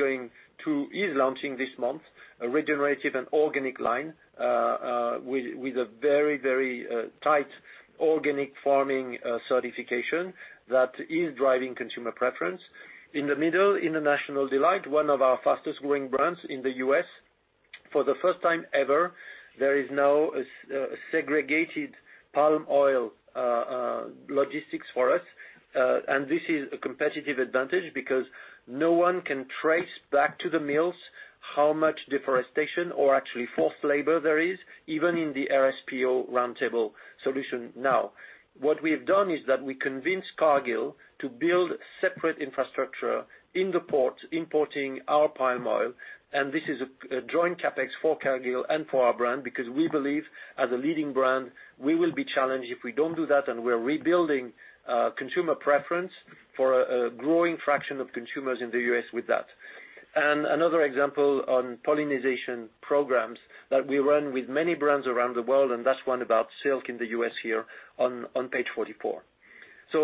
launching this month, a regenerative and organic line, with a very tight organic farming certification that is driving consumer preference. In the middle, International Delight, one of our fastest-growing brands in the U.S. For the first time ever, there is now a segregated palm oil logistics for us. This is a competitive advantage because no one can trace back to the mills how much deforestation or actually forced labor there is, even in the RSPO Roundtable solution now. What we've done is that we convinced Cargill to build separate infrastructure in the port importing our palm oil, and this is a joint CapEx for Cargill and for our brand because we believe as a leading brand, we will be challenged if we don't do that, and we're rebuilding consumer preference for a growing fraction of consumers in the U.S. with that. Another example on pollinization programs that we run with many brands around the world, and that's one about Silk in the U.S. here on page 44.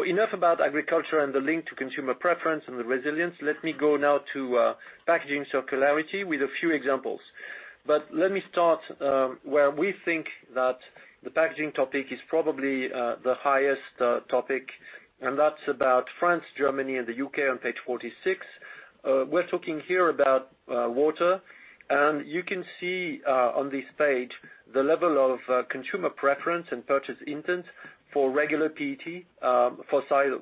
Enough about agriculture and the link to consumer preference and the resilience. Let me go now to packaging circularity with a few examples. Let me start where we think that the packaging topic is probably the highest topic, and that's about France, Germany, and the U.K. on page 46. We're talking here about water, and you can see on this page the level of consumer preference and purchase intent for regular PET, fossil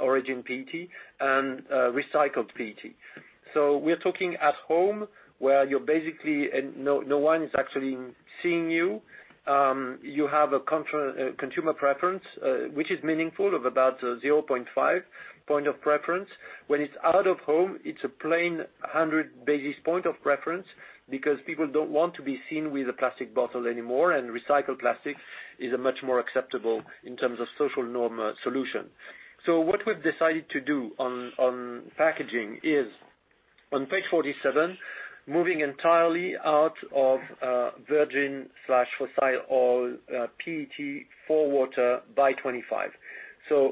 origin PET, and recycled PET. We're talking at home, where no one is actually seeing you. You have a consumer preference, which is meaningful, of about 0.5 point of preference. When it's out of home, it's a plain 100 basis point of preference because people don't want to be seen with a plastic bottle anymore, and recycled plastic is a much more acceptable in terms of social norm solution. What we've decided to do on packaging is on page 47, moving entirely out of virgin/fossil oil PET for water by 2025.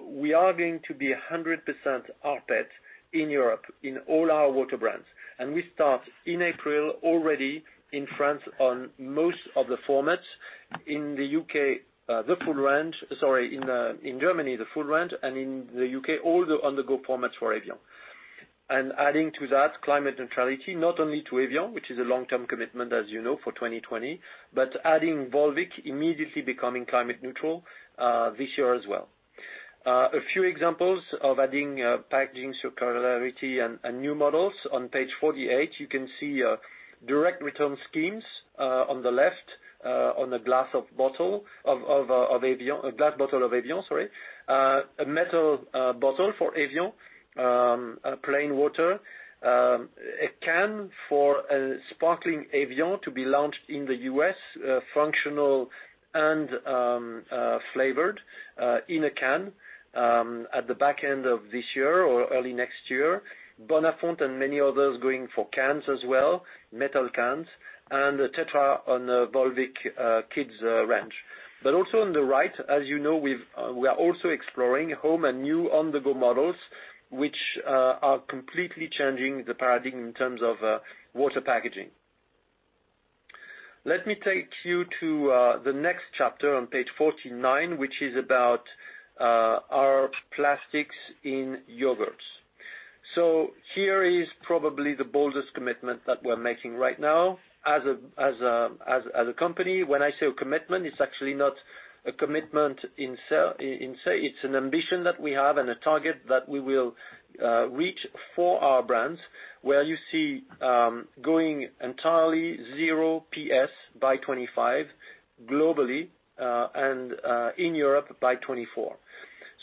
We are going to be 100% rPET in Europe in all our water brands. We start in April already in France on most of the formats. In Germany, the full range, and in the U.K., all the on-the-go formats for evian. Adding to that climate neutrality, not only to evian, which is a long-term commitment, as you know, for 2020, but adding Volvic immediately becoming climate neutral this year as well. A few examples of adding packaging circularity and new models. On page 48, you can see direct return schemes on the left on a glass bottle of evian. A metal bottle for evian plain water. A can for evian Sparkling to be launched in the U.S., functional and flavored, in a can at the back end of this year or early next year. Bonafont and many others going for cans as well, metal cans, and the tetra on the Volvic kids range. Also on the right, as you know, we are also exploring home and new on-the-go models, which are completely changing the paradigm in terms of water packaging. Let me take you to the next chapter on page 49, which is about our plastics in Yogurts. Here is probably the boldest commitment that we're making right now as a company. When I say a commitment, it's actually not a commitment in say, it's an ambition that we have and a target that we will reach for our brands, where you see going entirely zero PS by 2025 globally, and in Europe by 2024.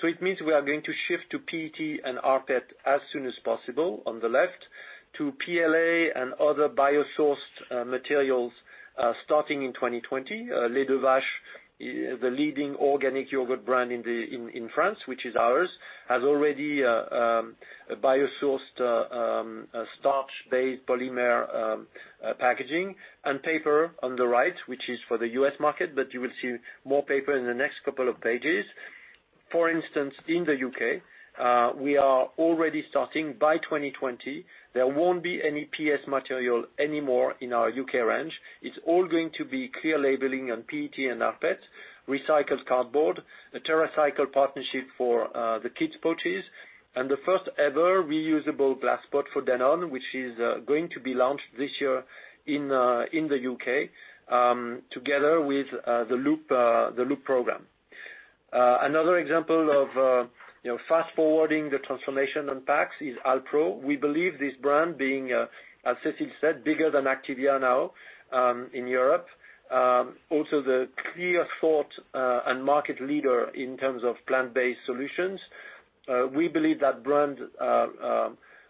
It means we are going to shift to PET and rPET as soon as possible on the left to PLA and other bio-sourced materials, starting in 2020. Les 2 Vaches, the leading organic yogurt brand in France, which is ours, has already a bio-sourced starch-based polymer packaging. Paper on the right, which is for the U.S. market, but you will see more paper in the next couple of pages. For instance, in the U.K., we are already starting by 2020. There won't be any PS material anymore in our U.K. range. It's all going to be clear labeling on PET and rPET, recycled cardboard, a TerraCycle partnership for the kids pouches, and the first-ever reusable glass pot for Danone, which is going to be launched this year in the U.K. together with the Loop program. Another example of fast-forwarding the transformation on packs is Alpro. We believe this brand being, as Cécile said, bigger than Activia now in Europe. Also the clear thought and market leader in terms of plant-based solutions. We believe that brand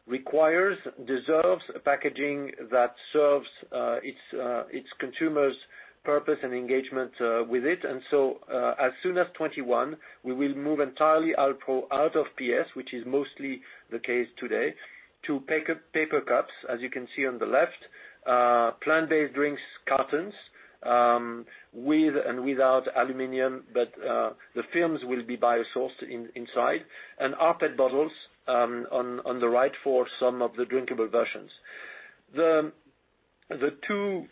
requires, deserves a packaging that serves its consumer's purpose and engagement with it. As soon as 2021, we will move entirely Alpro out of PS, which is mostly the case today, to paper cups, as you can see on the left. Plant-based drinks cartons with and without aluminum, but the films will be bio-sourced inside, and rPET bottles on the right for some of the drinkable versions. The two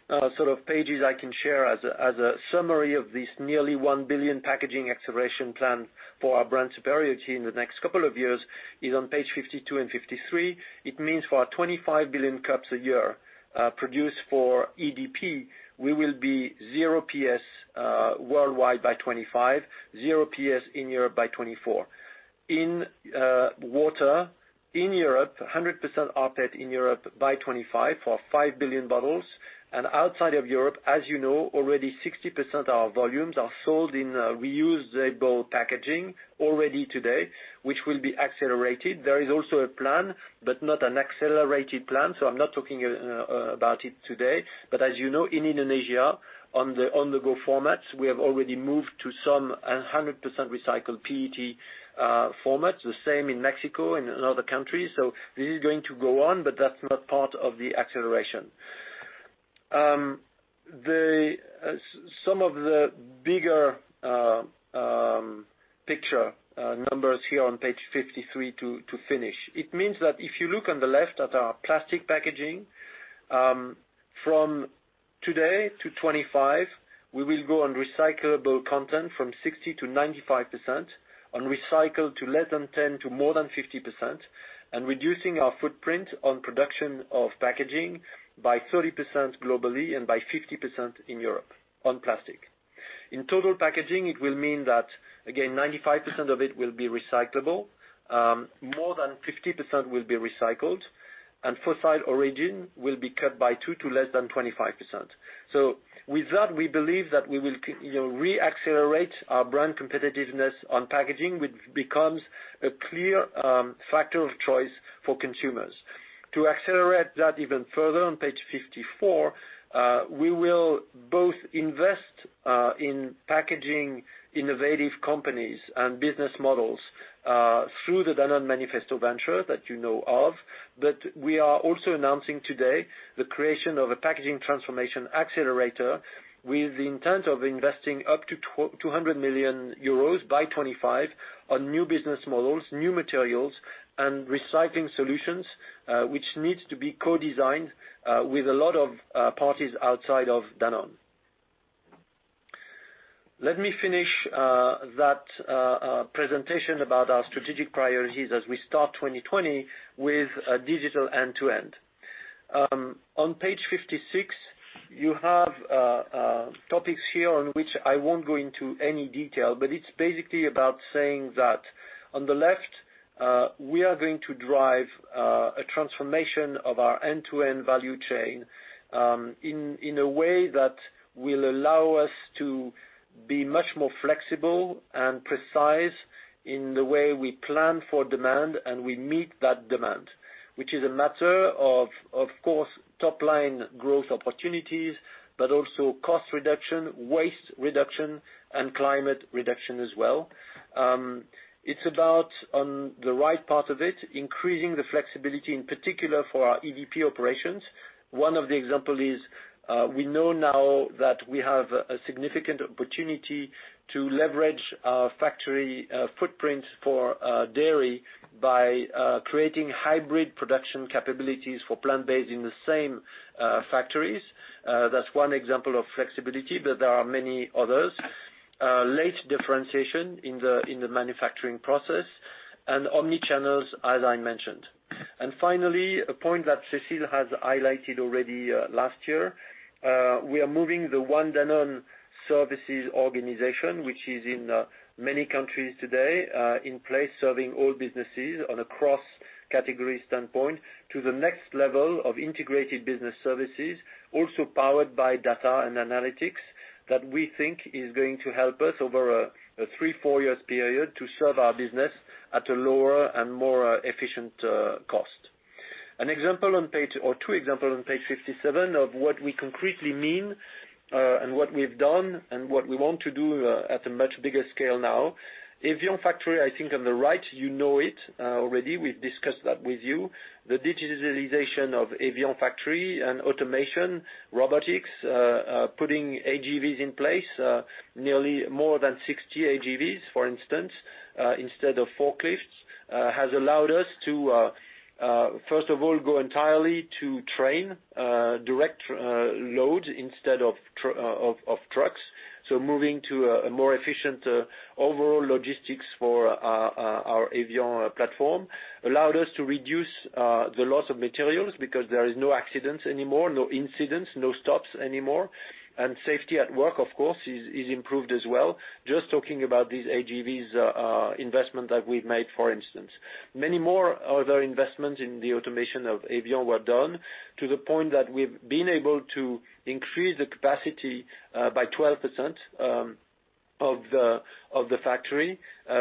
pages I can share as a summary of this nearly 1 billion packaging acceleration plan for our brand superiority in the next couple of years is on page 52 and 53. It means for our 25 billion cups a year produced for EDP, we will be zero PS worldwide by 2025, zero PS in Europe by 2024. In water, in Europe, 100% rPET in Europe by 2025 for 5 billion bottles. Outside of Europe, as you know, already 60% of our volumes are sold in reusable packaging already today, which will be accelerated. There is also a plan, but not an accelerated plan, so I'm not talking about it today. As you know, in Indonesia, on the on-the-go formats, we have already moved to some 100% recycled PET formats. The same in Mexico and in other countries. This is going to go on, but that's not part of the acceleration. Some of the bigger picture numbers here on page 53 to finish. It means that if you look on the left at our plastic packaging, from today to 2025, we will go on recyclable content from 60%-95%, on recycled to less than 10% to more than 50%, and reducing our footprint on production of packaging by 30% globally and by 50% in Europe on plastic. In total packaging, it will mean that, again, 95% of it will be recyclable, more than 50% will be recycled, and fossil origin will be cut by 2% to less than 25%. With that, we believe that we will re-accelerate our brand competitiveness on packaging, which becomes a clear factor of choice for consumers. To accelerate that even further, on page 54, we will both invest in packaging innovative companies and business models through the Danone Manifesto Ventures that you know of. We are also announcing today the creation of a packaging transformation accelerator with the intent of investing up to 200 million euros by 2025 on new business models, new materials, and recycling solutions, which needs to be co-designed with a lot of parties outside of Danone. Let me finish that presentation about our strategic priorities as we start 2020 with a digital end-to-end. On page 56, you have topics here on which I won't go into any detail, but it's basically about saying that on the left, we are going to drive a transformation of our end-to-end value chain in a way that will allow us to be much more flexible and precise in the way we plan for demand and we meet that demand. Which is a matter of course, top-line growth opportunities, but also cost reduction, waste reduction, and climate reduction as well. It's about, on the right part of it, increasing the flexibility, in particular for our EDP operations. One of the example is, we know now that we have a significant opportunity to leverage our factory footprint for dairy by creating hybrid production capabilities for plant-based in the same factories. That's one example of flexibility, but there are many others. Late differentiation in the manufacturing process and omnichannels, as I mentioned. Finally, a point that Cécile has highlighted already last year, we are moving the One Danone services organization, which is in many countries today, in place serving all businesses on a cross-category standpoint, to the next level of integrated business services, also powered by data and analytics, that we think is going to help us over a three, four years period to serve our business at a lower and more efficient cost. Two example on page 57 of what we concretely mean and what we've done and what we want to do at a much bigger scale now. evian factory, I think on the right, you know it already. We've discussed that with you. The digitalization of evian factory and automation, robotics, putting AGVs in place, nearly more than 60 AGVs, for instance, instead of forklifts, has allowed us to, first of all, go entirely to train direct loads instead of trucks. Moving to a more efficient overall logistics for our evian platform allowed us to reduce the loss of materials because there is no accidents anymore, no incidents, no stops anymore, and safety at work, of course, is improved as well. Just talking about these AGVs investment that we've made, for instance. Many more other investments in the automation of evian were done to the point that we've been able to increase the capacity by 12% of the factory,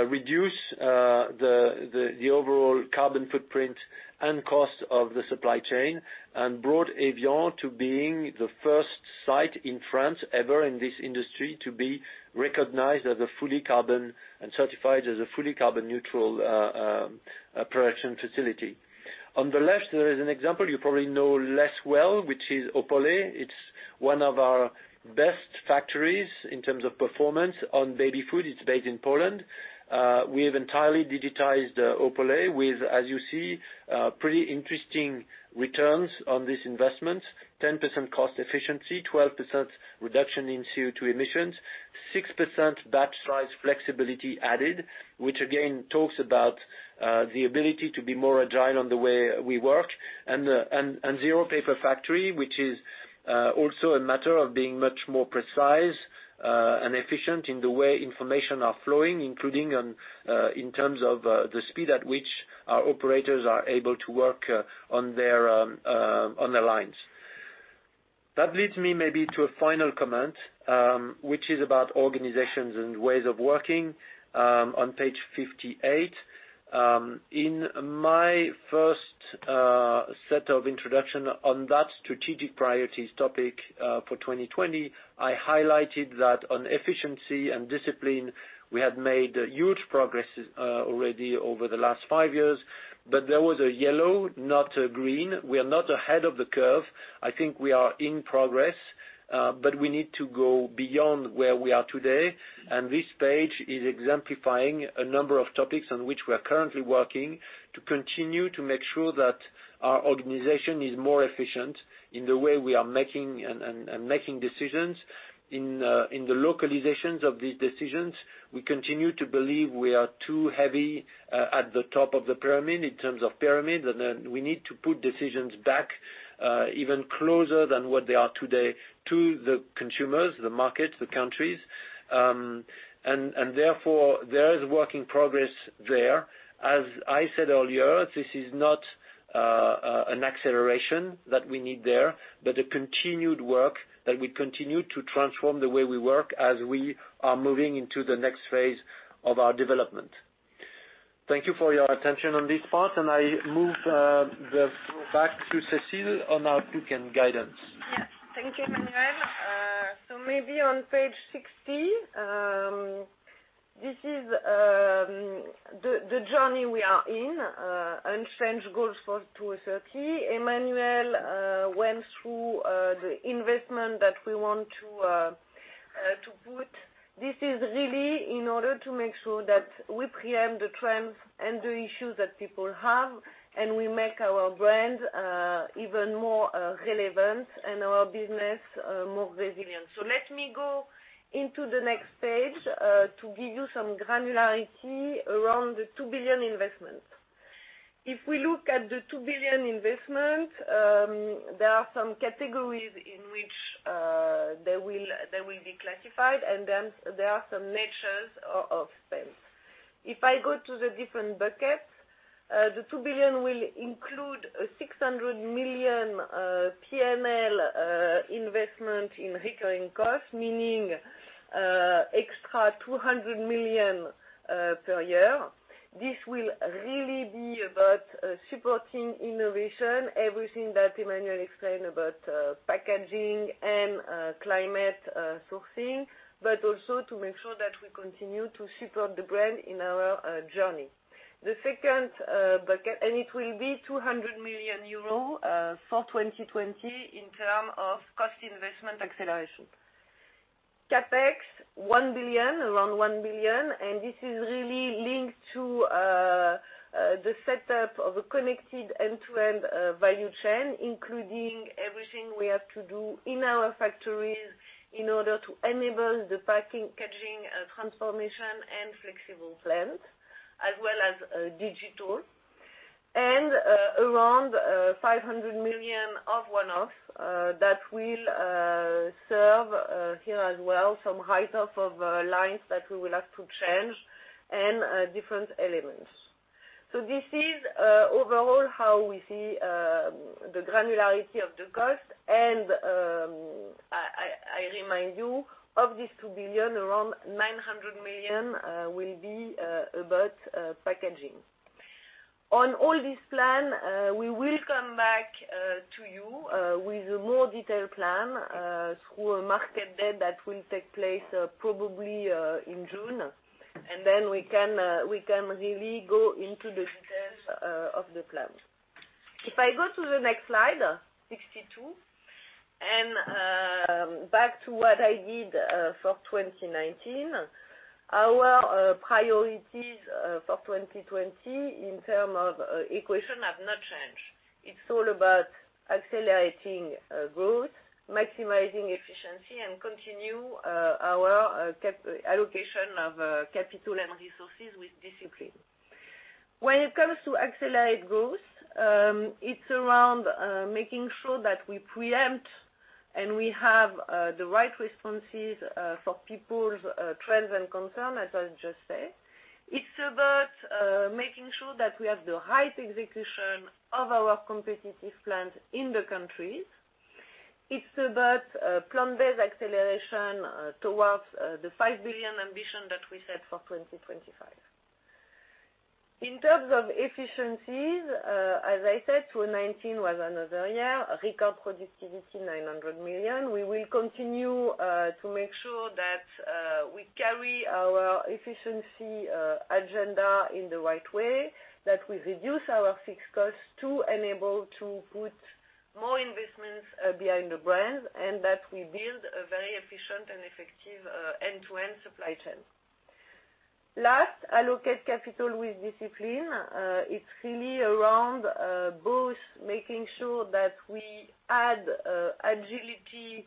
reduce the overall carbon footprint and cost of the supply chain, and brought evian to being the first site in France ever in this industry to be recognized as a fully carbon and certified as a fully carbon neutral production facility. On the left, there is an example you probably know less well, which is Opole. It's one of our best factories in terms of performance on baby food. It's based in Poland. We have entirely digitized Opole with, as you see, pretty interesting returns on this investment. 10% cost efficiency, 12% reduction in CO2 emissions, 6% batch size flexibility added, which again talks about the ability to be more agile on the way we work, and zero paper factory, which is also a matter of being much more precise and efficient in the way information are flowing, including in terms of the speed at which our operators are able to work on the lines. That leads me maybe to a final comment, which is about organizations and ways of working on page 58. In my first set of introduction on that strategic priorities topic for 2020, I highlighted that on efficiency and discipline, we had made huge progresses already over the last five years, but there was a yellow, not a green. We are not ahead of the curve. I think we are in progress, but we need to go beyond where we are today. This page is exemplifying a number of topics on which we are currently working to continue to make sure that our organization is more efficient in the way we are making decisions, in the localizations of these decisions. We continue to believe we are too heavy at the top of the pyramid. We need to put decisions back, even closer than what they are today, to the consumers, the market, the countries. Therefore, there is work in progress there. As I said earlier, this is not an acceleration that we need there, but a continued work that we continue to transform the way we work as we are moving into the next phase of our development. Thank you for your attention on this part, I move the floor back to Cécile on our outlook and guidance. Yes. Thank you, Emmanuel. Maybe on page 60, this is the journey we are in, unchanged goals for 2030. Emmanuel went through the investment that we want to put. This is really in order to make sure that we preempt the trends and the issues that people have, and we make our brand even more relevant and our business more resilient. Let me go into the next page, to give you some granularity around the 2 billion investment. If we look at the 2 billion investment, there are some categories in which they will be classified, and then there are some natures of spend. If I go to the different buckets, the 2 billion will include 600 million P&L investment in recurring costs, meaning extra 200 million per year. This will really be about supporting innovation, everything that Emmanuel explained about packaging and climate sourcing, but also to make sure that we continue to support the brand in our journey. The second bucket will be 200 million euros for 2020 in terms of cost investment acceleration. CapEx, around 1 billion, and this is really linked to the setup of a connected end-to-end value chain, including everything we have to do in our factories in order to enable the packaging transformation and flexible plans, as well as digital. Around 500 million of one-off that will serve here as well, some write-off of lines that we will have to change and different elements. This is overall how we see the granularity of the cost and, I remind you, of this 2 billion, around 900 million will be about packaging. On all this plan, we will come back to you with a more detailed plan through a market date that will take place probably in June. Then we can really go into the details of the plan. If I go to the next slide 62, back to what I did for 2019. Our priorities for 2020 in term of equation have not changed. It's all about accelerating growth, maximizing efficiency, and continue our allocation of capital and resources with discipline. When it comes to accelerate growth, it's around making sure that we preempt and we have the right responses for people's trends and concerns, as I just said. It's about making sure that we have the right execution of our competitive plans in the countries. It's about plant-based acceleration towards the 5 billion ambition that we set for 2025. In terms of efficiencies, as I said, 2019 was another year, record productivity 900 million. We will continue to make sure that we carry our efficiency agenda in the right way, that we reduce our fixed costs to enable to put more investments behind the brand, and that we build a very efficient and effective end-to-end supply chain. Last, allocate capital with discipline. It's really around both making sure that we add agility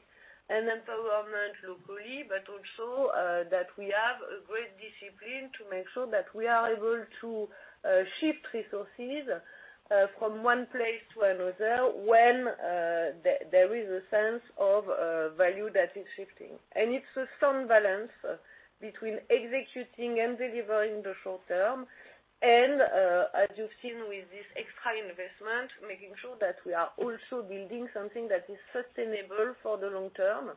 and empowerment locally, but also that we have a great discipline to make sure that we are able to shift resources from one place to another when there is a sense of value that is shifting. It's a strong balance between executing and delivering the short term, and as you've seen with this extra investment, making sure that we are also building something that is sustainable for the long term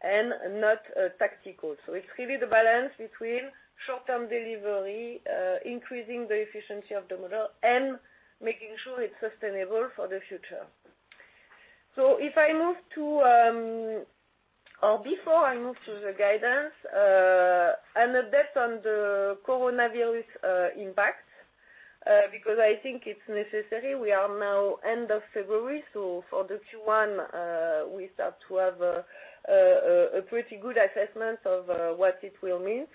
and not tactical. It's really the balance between short-term delivery, increasing the efficiency of the model, and making sure it's sustainable for the future. Before I move to the guidance, an update on the coronavirus impact, because I think it's necessary. We are now end of February, for the Q1, we start to have a pretty good assessment of what it will mean.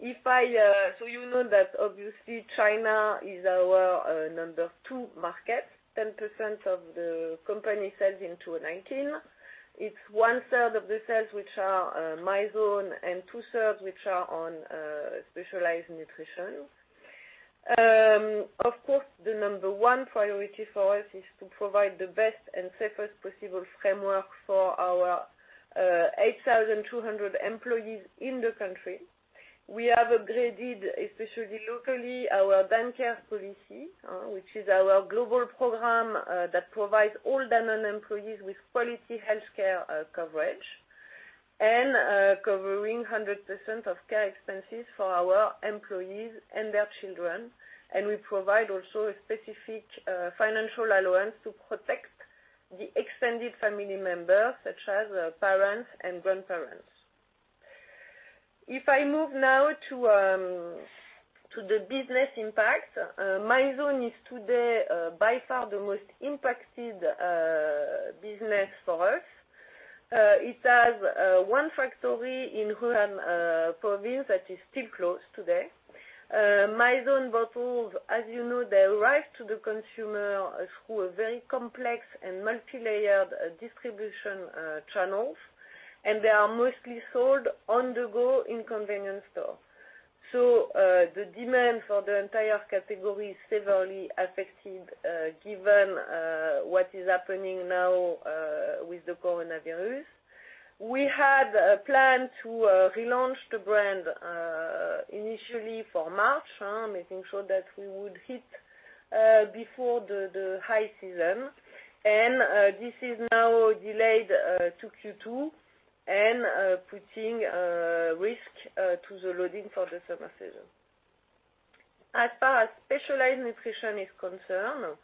You know that obviously China is our number two market, 10% of the company sales in 2019. It's 1/3 of the sales which are Mizone and 2/3 which are on Specialized Nutrition. The number one priority for us is to provide the best and safest possible framework for our 8,200 employees in the country. We have upgraded, especially locally, our DanCare policy, which is our global program that provides all Danone employees with quality healthcare coverage, and covering 100% of care expenses for our employees and their children. We provide also a specific financial allowance to protect the extended family members such as parents and grandparents. If I move now to the business impact, Mizone is today by far the most impacted business for us. It has one factory in Wuhan province that is still closed today. Mizone bottles, as you know, they arrive to the consumer through a very complex and multilayered distribution channels, and they are mostly sold on the go in convenience stores. The demand for the entire category is severely affected given what is happening now with the coronavirus. We had planned to relaunch the brand initially for March, making sure that we would hit before the high season. This is now delayed to Q2 and putting risk to the loading for the summer season. As far as Specialized Nutrition is concerned,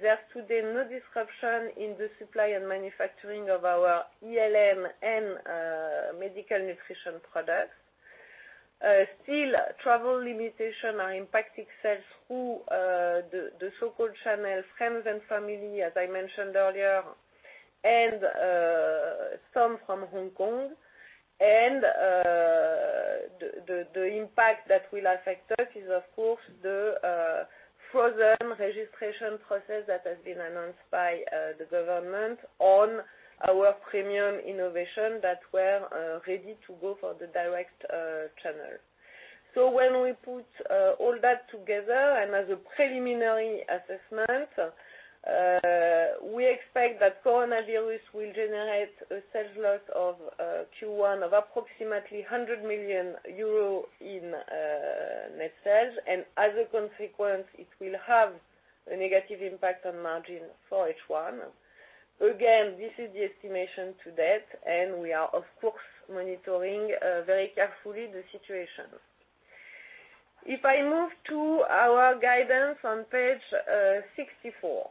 there's to date, no disruption in the supply and manufacturing of our ELN and Medical Nutrition products. Still, travel limitations are impacting sales through the so-called channels, friends and family, as I mentioned earlier, and some from Hong Kong. The impact that will affect us is of course, the frozen registration process that has been announced by the government on our premium innovation that were ready to go for the direct channel. When we put all that together, and as a preliminary assessment, we expect that coronavirus will generate a sales loss of Q1 of approximately 100 million euro in net sales. As a consequence, it will have a negative impact on margin for H1. Again, this is the estimation to date, and we are of course, monitoring very carefully the situation. If I move to our guidance on page 64.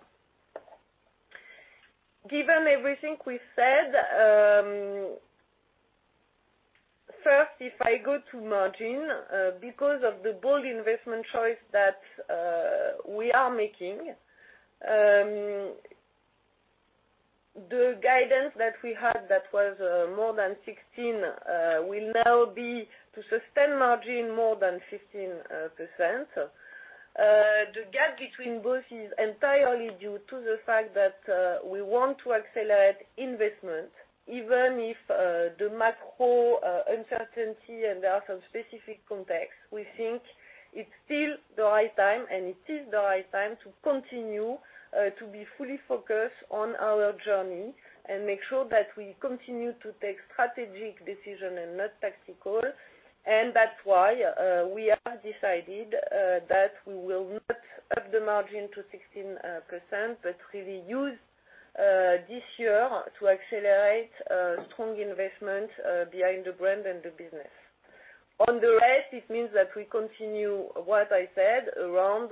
Given everything we said, first, if I go to margin, because of the bold investment choice that we are making, the guidance that we had that was more than 16%, will now be to sustain margin more than 15%. The gap between both is entirely due to the fact that we want to accelerate investment, even if the macro uncertainty and there are some specific context, we think it's still the right time and it is the right time to continue to be fully focused on our journey and make sure that we continue to take strategic decision and not tactical. That's why we have decided that we will not up the margin to 16%, but really use this year to accelerate strong investment behind the brand and the business. On the rest, it means that we continue what I said around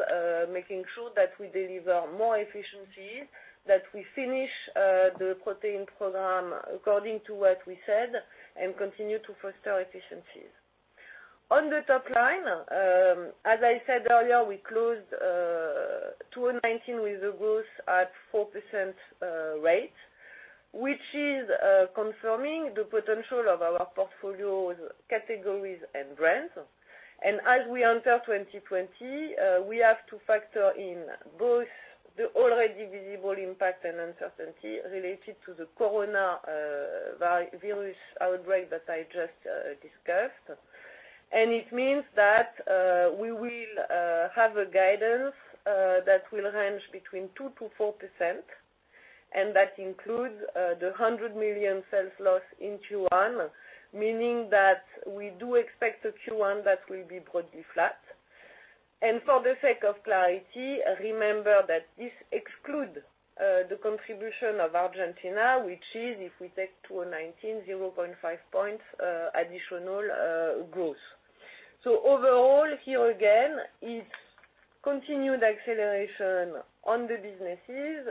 making sure that we deliver more efficiencies, that we finish the protein program according to what we said, and continue to foster efficiencies. On the top line, as I said earlier, we closed 2019 with a growth at 4% rate, which is confirming the potential of our portfolio categories and brands. As we enter 2020, we have to factor in both the already visible impact and uncertainty related to the coronavirus outbreak that I just discussed. It means that we will have a guidance that will range between 2%-4%, and that includes the 100 million sales loss in Q1, meaning that we do expect a Q1 that will be broadly flat. For the sake of clarity, remember that this excludes the contribution of Argentina, which is, if we take 2019, 0.5 points additional growth. Overall, here again, Continued acceleration on the businesses,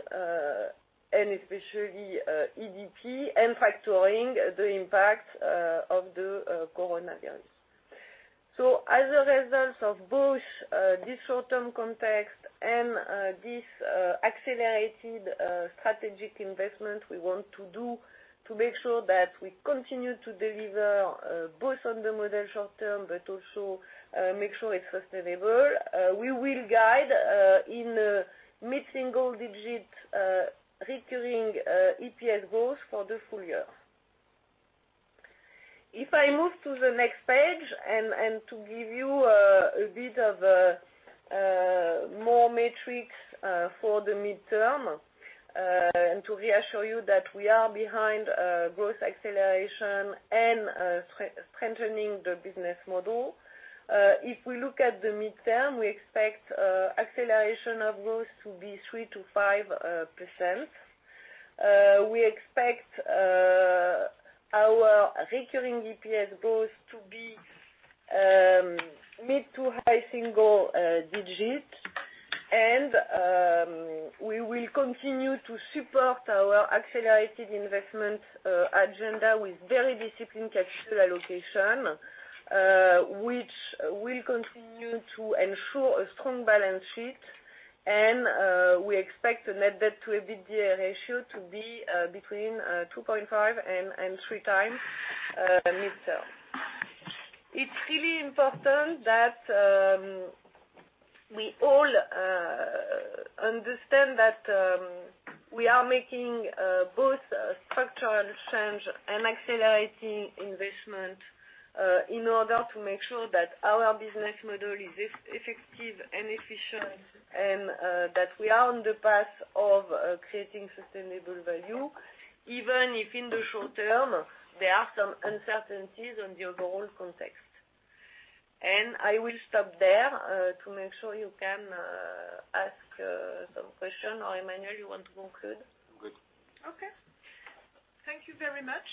and especially EDP, and factoring the impact of the coronavirus. As a result of both this short-term context and this accelerated strategic investment we want to do to make sure that we continue to deliver both on the model short term, but also make sure it's sustainable, we will guide in mid-single digit recurring EPS growth for the full year. If I move to the next page, to give you a bit of more metrics for the midterm, to reassure you that we are behind growth acceleration and strengthening the business model. If we look at the midterm, we expect acceleration of growth to be 3% to 5%. We expect our recurring EPS growth to be mid-to-high single digits, we will continue to support our accelerated investment agenda with very disciplined cash flow allocation, which will continue to ensure a strong balance sheet. We expect the net debt to EBITDA ratio to be between 2.5x and 3x mid-term. It's really important that we all understand that we are making both structural change and accelerating investment in order to make sure that our business model is effective and efficient, and that we are on the path of creating sustainable value, even if in the short term, there are some uncertainties on the overall context. I will stop there to make sure you can ask some question. Emmanuel, you want to conclude? Good. Okay. Thank you very much.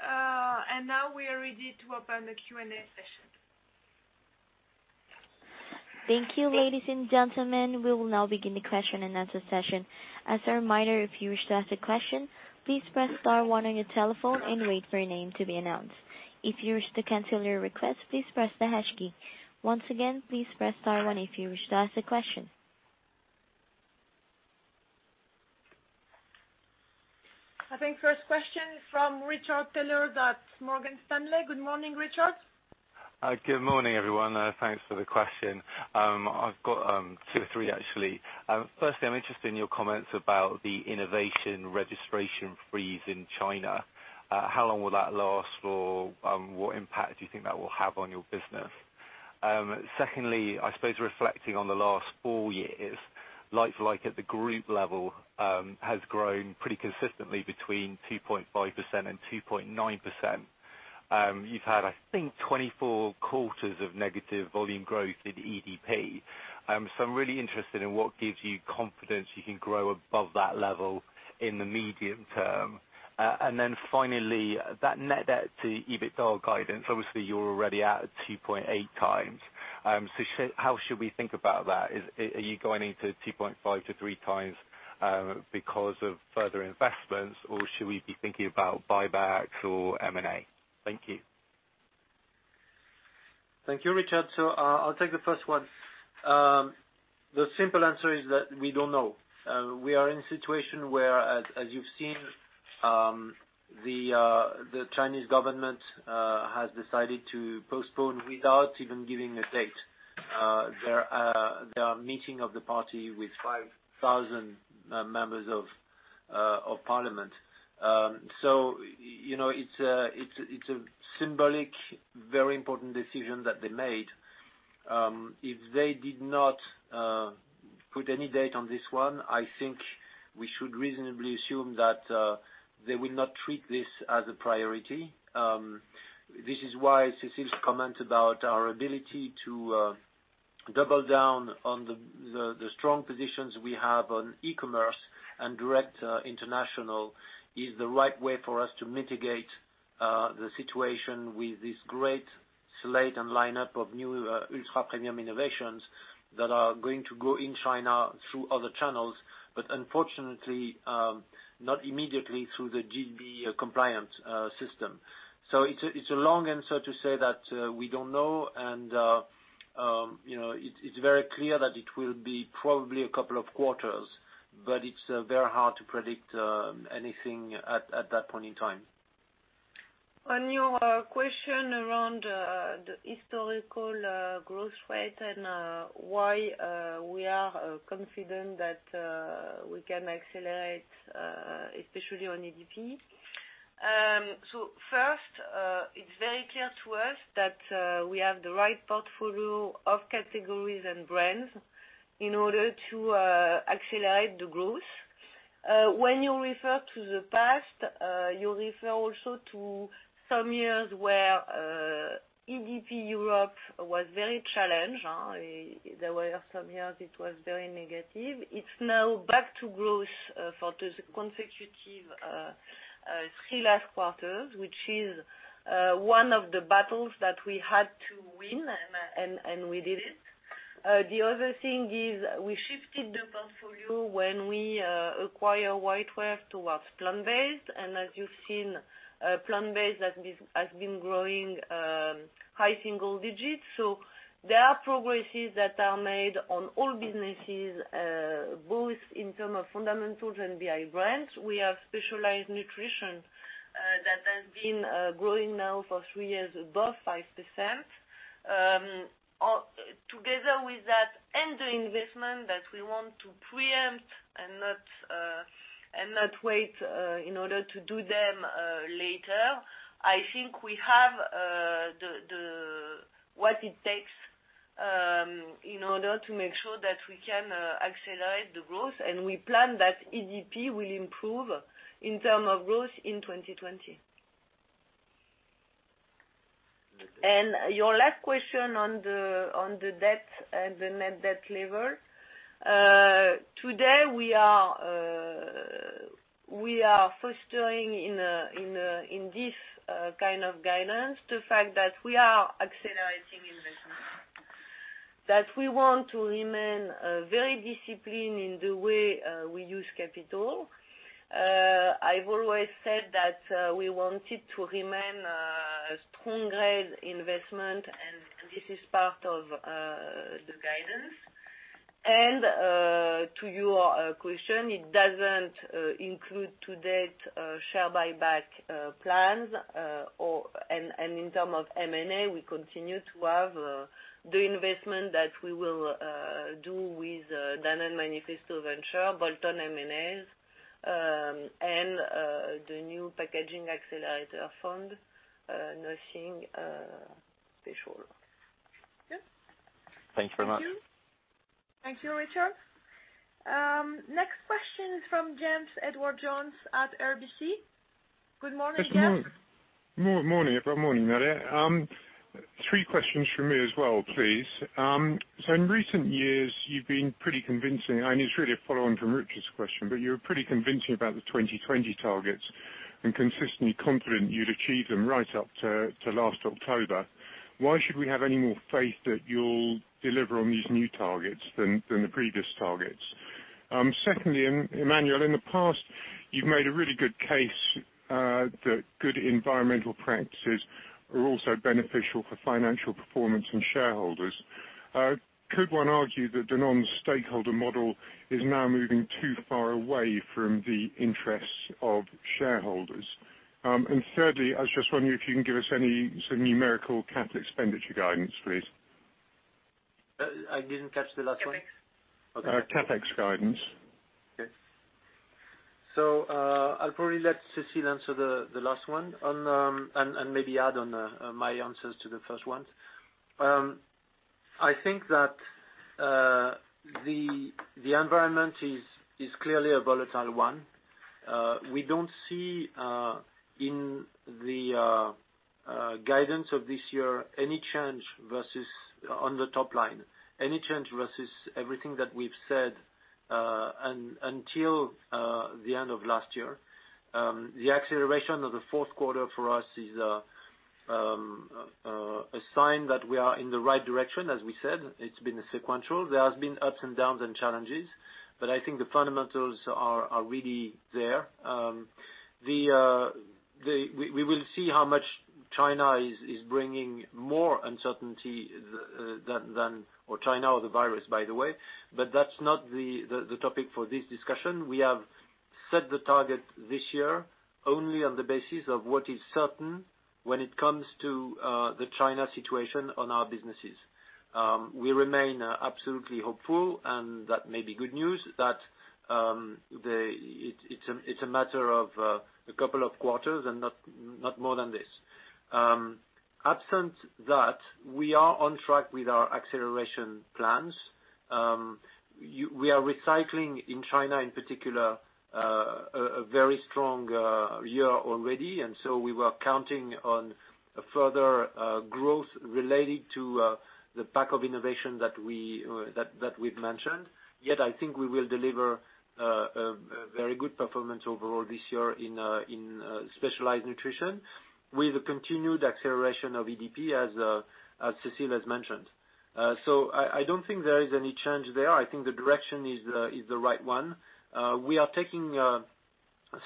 Now we are ready to open the Q&A session. Thank you, ladies and gentlemen. We will now begin the question-and-answer session. As a reminder, if you wish to ask a question, please press star one on your telephone and wait for your name to be announced. If you wish to cancel your request, please press the hash key. Once again, please press star one if you wish to ask a question. I think first question from Richard Taylor at Morgan Stanley. Good morning, Richard. Good morning, everyone. Thanks for the question. I've got two or three, actually. Firstly, I'm interested in your comments about the innovation registration freeze in China. How long will that last, or what impact do you think that will have on your business? I suppose reflecting on the last four years, like at the group level, has grown pretty consistently between 2.5%-2.9%. You've had, I think, 24 quarters of negative volume growth in EDP. I'm really interested in what gives you confidence you can grow above that level in the medium term. Finally, that net debt to EBITDA guidance. Obviously, you're already at 2.8x. How should we think about that? Are you going into 2.5x-3x because of further investments, or should we be thinking about buybacks or M&A? Thank you. Thank you, Richard. I'll take the first one. The simple answer is that we don't know. We are in a situation where, as you've seen, the Chinese government has decided to postpone without even giving a date. There are meeting of the party with 5,000 members of parliament. It's a symbolic, very important decision that they made. If they did not put any date on this one, I think we should reasonably assume that they will not treat this as a priority. This is why Cécile's comment about our ability to double down on the strong positions we have on e-commerce and direct international is the right way for us to mitigate the situation with this great slate and lineup of new ultra-premium innovations that are going to go in China through other channels, but unfortunately, not immediately through the GB compliance system. It's a long answer to say that we don't know, and it's very clear that it will be probably a couple of quarters, but it's very hard to predict anything at that point in time. On your question around the historical growth rate and why we are confident that we can accelerate, especially on EDP. First, it's very clear to us that we have the right portfolio of categories and brands in order to accelerate the growth. When you refer to the past, you refer also to some years where EDP Europe was very challenged. There were some years it was very negative. It's now back to growth for the consecutive three last quarters, which is one of the battles that we had to win, and we did it. The other thing is we shifted the portfolio when we acquire WhiteWave towards plant-based, and as you've seen, plant-based has been growing high single digits. There are progresses that are made on all businesses, both in terms of fundamentals and by brands. We have Specialized Nutrition that has been growing now for three years above 5%. Together with that and the investment that we want to preempt and not wait in order to do them later, I think we have what it takes in order to make sure that we can accelerate the growth. We plan that EDP will improve in term of growth in 2020. Your last question on the debt and the net debt level. Today, we are fostering in this kind of guidance, the fact that we are accelerating investment, that we want to remain very disciplined in the way we use capital. I've always said that we wanted to remain a strong grade investment. This is part of the guidance. To your question, it doesn't include to date share buyback plans. In terms of M&A, we continue to have the investment that we will do with Danone Manifesto Ventures, bolt-on M&As, and the new packaging accelerator fund, nothing special. Good? Thanks very much. Thank you. Thank you, Richard. Next question from James Edwardes Jones at RBC Capital Markets. Good morning, James. Good morning, Nadia. Three questions from me as well, please. In recent years, you've been pretty convincing, and it's really a follow-on from Richard's question, but you were pretty convincing about the 2020 targets and consistently confident you'd achieve them right up to last October. Why should we have any more faith that you'll deliver on these new targets than the previous targets? Secondly, Emmanuel, in the past, you've made a really good case that good environmental practices are also beneficial for financial performance and shareholders. Could one argue that Danone's stakeholder model is now moving too far away from the interests of shareholders? Thirdly, I was just wondering if you can give us any sort of numerical CapEx guidance, please. I didn't catch the last one. CapEx. CapEx guidance. Okay. I'll probably let Cécile answer the last one, and maybe add on my answers to the first ones. I think that the environment is clearly a volatile one. We don't see, in the guidance of this year, any change versus, on the top line, any change versus everything that we've said until the end of last year. The acceleration of the fourth quarter for us is a sign that we are in the right direction, as we said. It's been sequential. There has been ups and downs and challenges, but I think the fundamentals are really there. We will see how much China is bringing more uncertainty than, or China or the coronavirus, by the way, but that's not the topic for this discussion. We have set the target this year only on the basis of what is certain when it comes to the China situation on our businesses. We remain absolutely hopeful, and that may be good news that it's a matter of a couple of quarters and not more than this. Absent that, we are on track with our acceleration plans. We are recycling in China, in particular, a very strong year already, and so we were counting on further growth related to the pack of innovation that we've mentioned. Yet, I think we will deliver a very good performance overall this year in Specialized Nutrition with a continued acceleration of EDP, as Cécile has mentioned. I don't think there is any change there. I think the direction is the right one. We are taking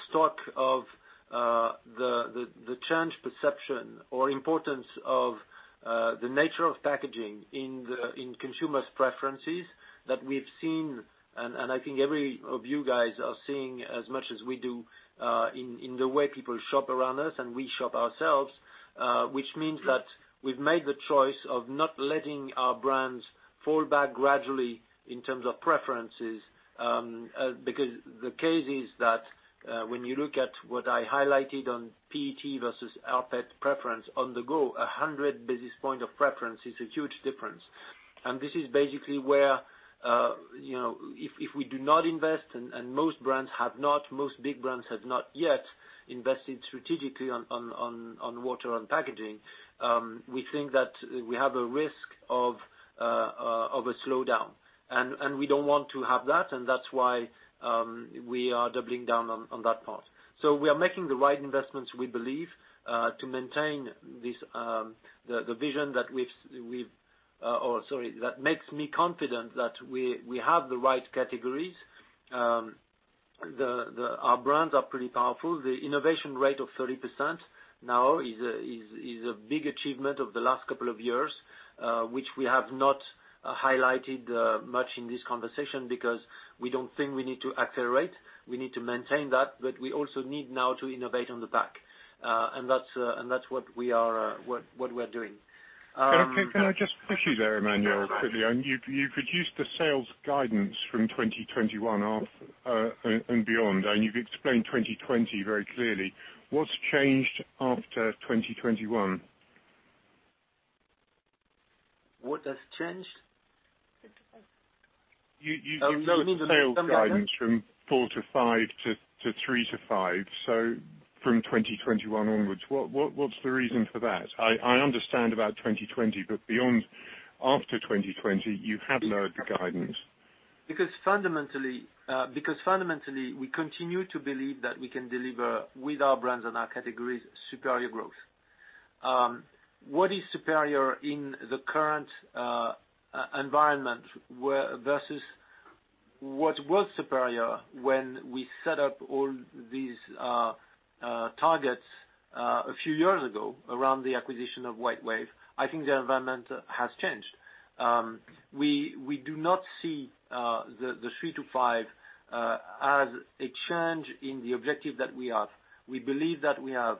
stock of the change perception or importance of the nature of packaging in consumers' preferences that we've seen, and I think every of you guys are seeing as much as we do in the way people shop around us and we shop ourselves, which means that we've made the choice of not letting our brands fall back gradually in terms of preferences, because the case is that when you look at what I highlighted on PET versus rPET preference on the go, 100 basis points of preference is a huge difference. This is basically where, if we do not invest, and most big brands have not yet invested strategically on water and packaging, we think that we have a risk of a slowdown. We don't want to have that, and that's why we are doubling down on that part. We are making the right investments, we believe, to maintain the vision that makes me confident that we have the right categories. Our brands are pretty powerful. The innovation rate of 30% now is a big achievement of the last couple of years, which we have not highlighted much in this conversation because we don't think we need to accelerate. We need to maintain that, but we also need now to innovate on the back. That's what we are doing. Okay. Can I just push you there, Emmanuel, quickly? You've reduced the sales guidance from 2021 and beyond, and you've explained 2020 very clearly. What's changed after 2021? What has changed? You moved the sales guidance from 4%-5% to 3%-5%, so from 2021 onwards. What is the reason for that? I understand about 2020, but beyond, after 2020, you have lowered the guidance. Fundamentally, we continue to believe that we can deliver with our brands and our categories, superior growth. What is superior in the current environment versus what was superior when we set up all these targets a few years ago around the acquisition of WhiteWave, I think the environment has changed. We do not see the three to five as a change in the objective that we have. We believe that we have,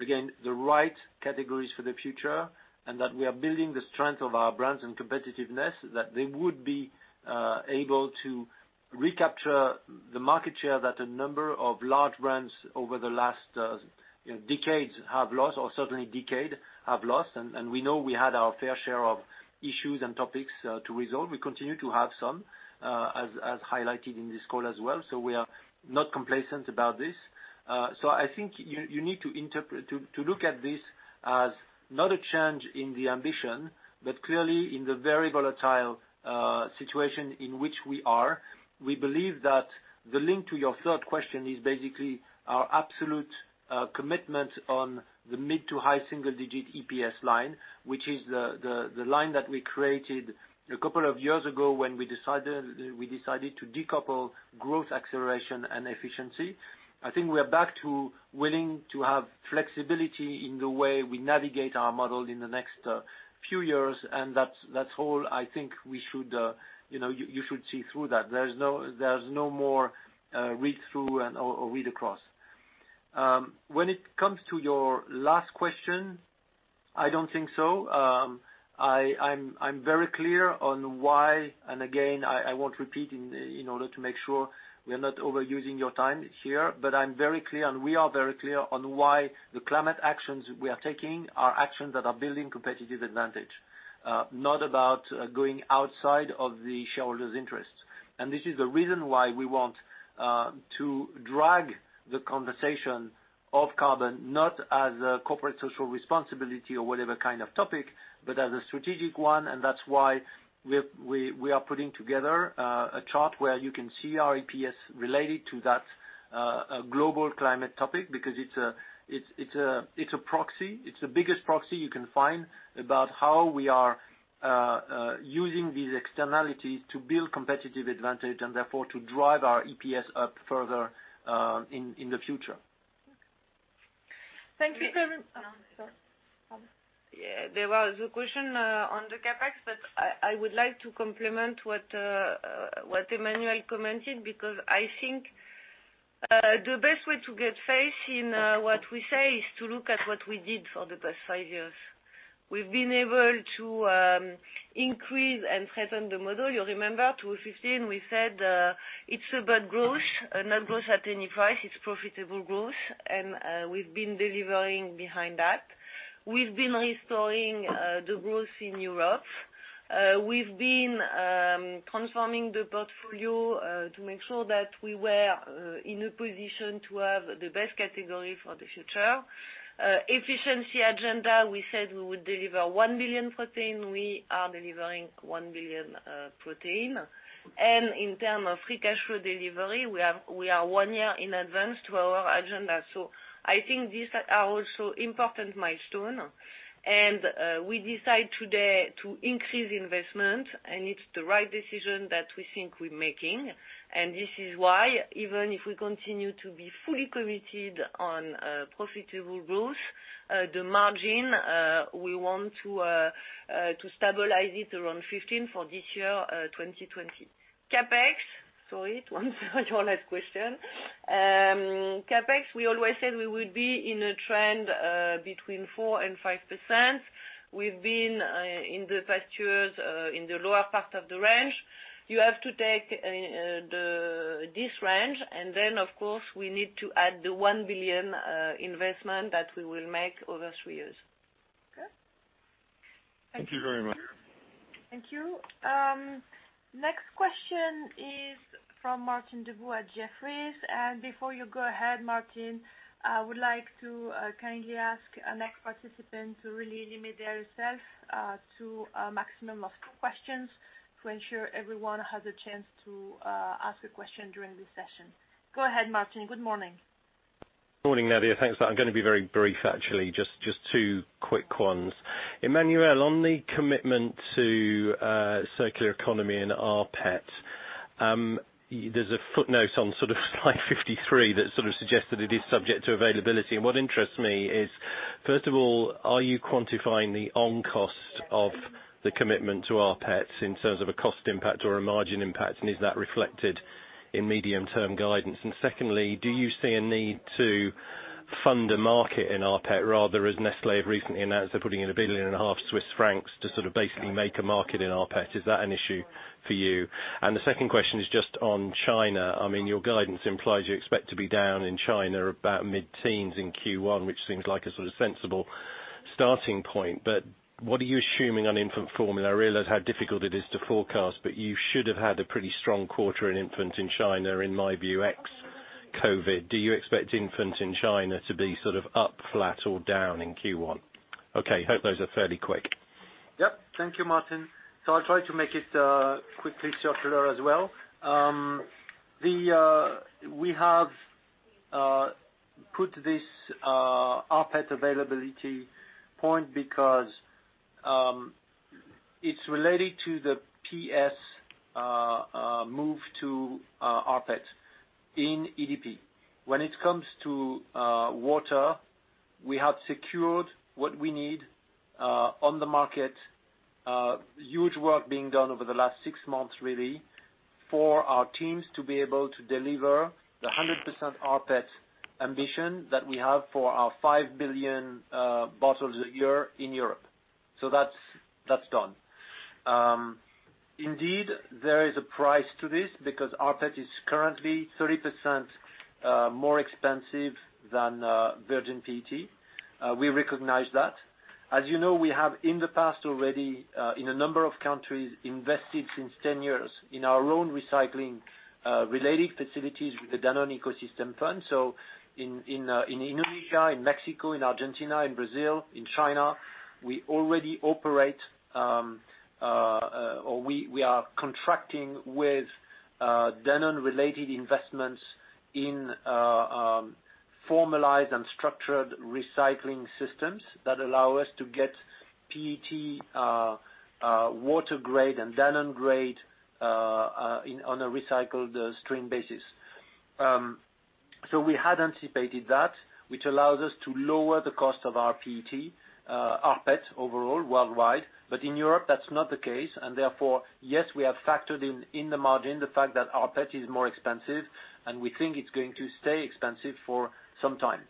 again, the right categories for the future, and that we are building the strength of our brands and competitiveness, that they would be able to recapture the market share that a number of large brands over the last decades have lost, or certainly decade have lost. We know we had our fair share of issues and topics to resolve. We continue to have some, as highlighted in this call as well. We are not complacent about this. I think you need to look at this as not a change in the ambition, but clearly in the very volatile situation in which we are, we believe that the link to your third question is basically our absolute commitment on the mid to high single-digit EPS line, which is the line that we created a couple of years ago when we decided to decouple growth acceleration and efficiency. I think we are back to willing to have flexibility in the way we navigate our model in the next few years, and that's all I think you should see through that. There's no more read-through or read-across. When it comes to your last question, I don't think so. I'm very clear on why, and again, I won't repeat in order to make sure we are not overusing your time here, but I'm very clear, and we are very clear on why the climate actions we are taking are actions that are building competitive advantage, not about going outside of the shareholders' interests. This is the reason why we want to drag the conversation of carbon, not as a corporate social responsibility or whatever kind of topic, but as a strategic one, and that's why we are putting together a chart where you can see our EPS related to that global climate topic, because it's a proxy. It's the biggest proxy you can find about how we are using these externalities to build competitive advantage, and therefore, to drive our EPS up further in the future. Thank you, James. Oh, sorry. Yeah. There was a question on the CapEx, but I would like to complement what Emmanuel commented, because I think the best way to get faith in what we say is to look at what we did for the past five years. We've been able to increase and strengthen the model. You remember, 2015, we said, it's about growth, not growth at any price. It's profitable growth. We've been delivering behind that. We've been restoring the growth in Europe. We've been transforming the portfolio to make sure that we were in a position to have the best category for the future. Efficiency agenda, we said we would deliver 1 billion protein. We are delivering 1 billion protein. In term of free cash flow delivery, we are one year in advance to our agenda. I think these are also important milestone. We decide today to increase investment, and it's the right decision that we think we're making. This is why, even if we continue to be fully committed on profitable growth, the margin, we want to stabilize it around 15% for this year, 2020. CapEx, sorry, one last question. CapEx, we always said we would be in a trend between 4% and 5%. We've been, in the past years, in the lower part of the range. You have to take this range and then, of course, we need to add the 1 billion investment that we will make over three years. Okay. Thank you very much. Thank you. Next question-From Martin Deboo at Jefferies. Before you go ahead, Martin, I would like to kindly ask our next participant to really limit themselves to a maximum of two questions to ensure everyone has a chance to ask a question during this session. Go ahead, Martin. Good morning. Morning, Nadia. Thanks. I'm going to be very brief, actually. Just two quick ones. Emmanuel, on the commitment to circular economy and rPET, there's a footnote on slide 53 that sort of suggests that it is subject to availability. What interests me is, first of all, are you quantifying the on-cost of the commitment to rPET in terms of a cost impact or a margin impact, and is that reflected in medium-term guidance? Secondly, do you see a need to fund a market in rPET rather as Nestlé have recently announced they're putting in a billion and a half CHF to sort of basically make a market in rPET? Is that an issue for you? The second question is just on China. Your guidance implies you expect to be down in China about mid-teens in Q1, which seems like a sort of sensible starting point, but what are you assuming on infant formula? I realize how difficult it is to forecast, but you should have had a pretty strong quarter in infant in China, in my view, ex-COVID. Do you expect infant in China to be up, flat, or down in Q1? Okay, hope those are fairly quick. Yep. Thank you, Martin. I'll try to make it quickly circular as well. We have put this rPET availability point because it's related to the PS move to rPET in EDP. When it comes to water, we have secured what we need on the market. Huge work being done over the last six months, really, for our teams to be able to deliver the 100% rPET ambition that we have for our five billion bottles a year in Europe. That's done. Indeed, there is a price to this because rPET is currently 30% more expensive than virgin PET. We recognize that. As you know, we have, in the past already, in a number of countries, invested since 10 years in our own recycling-related facilities with the Danone Ecosystem Fund. In Indonesia, in Mexico, in Argentina, in Brazil, in China, we already operate, or we are contracting with Danone-related investments in formalized and structured recycling systems that allow us to get PET water grade and Danone grade on a recycled stream basis. We had anticipated that, which allows us to lower the cost of our PET overall worldwide. In Europe, that's not the case. Therefore, yes, we have factored in the margin the fact that rPET is more expensive, and we think it's going to stay expensive for some time.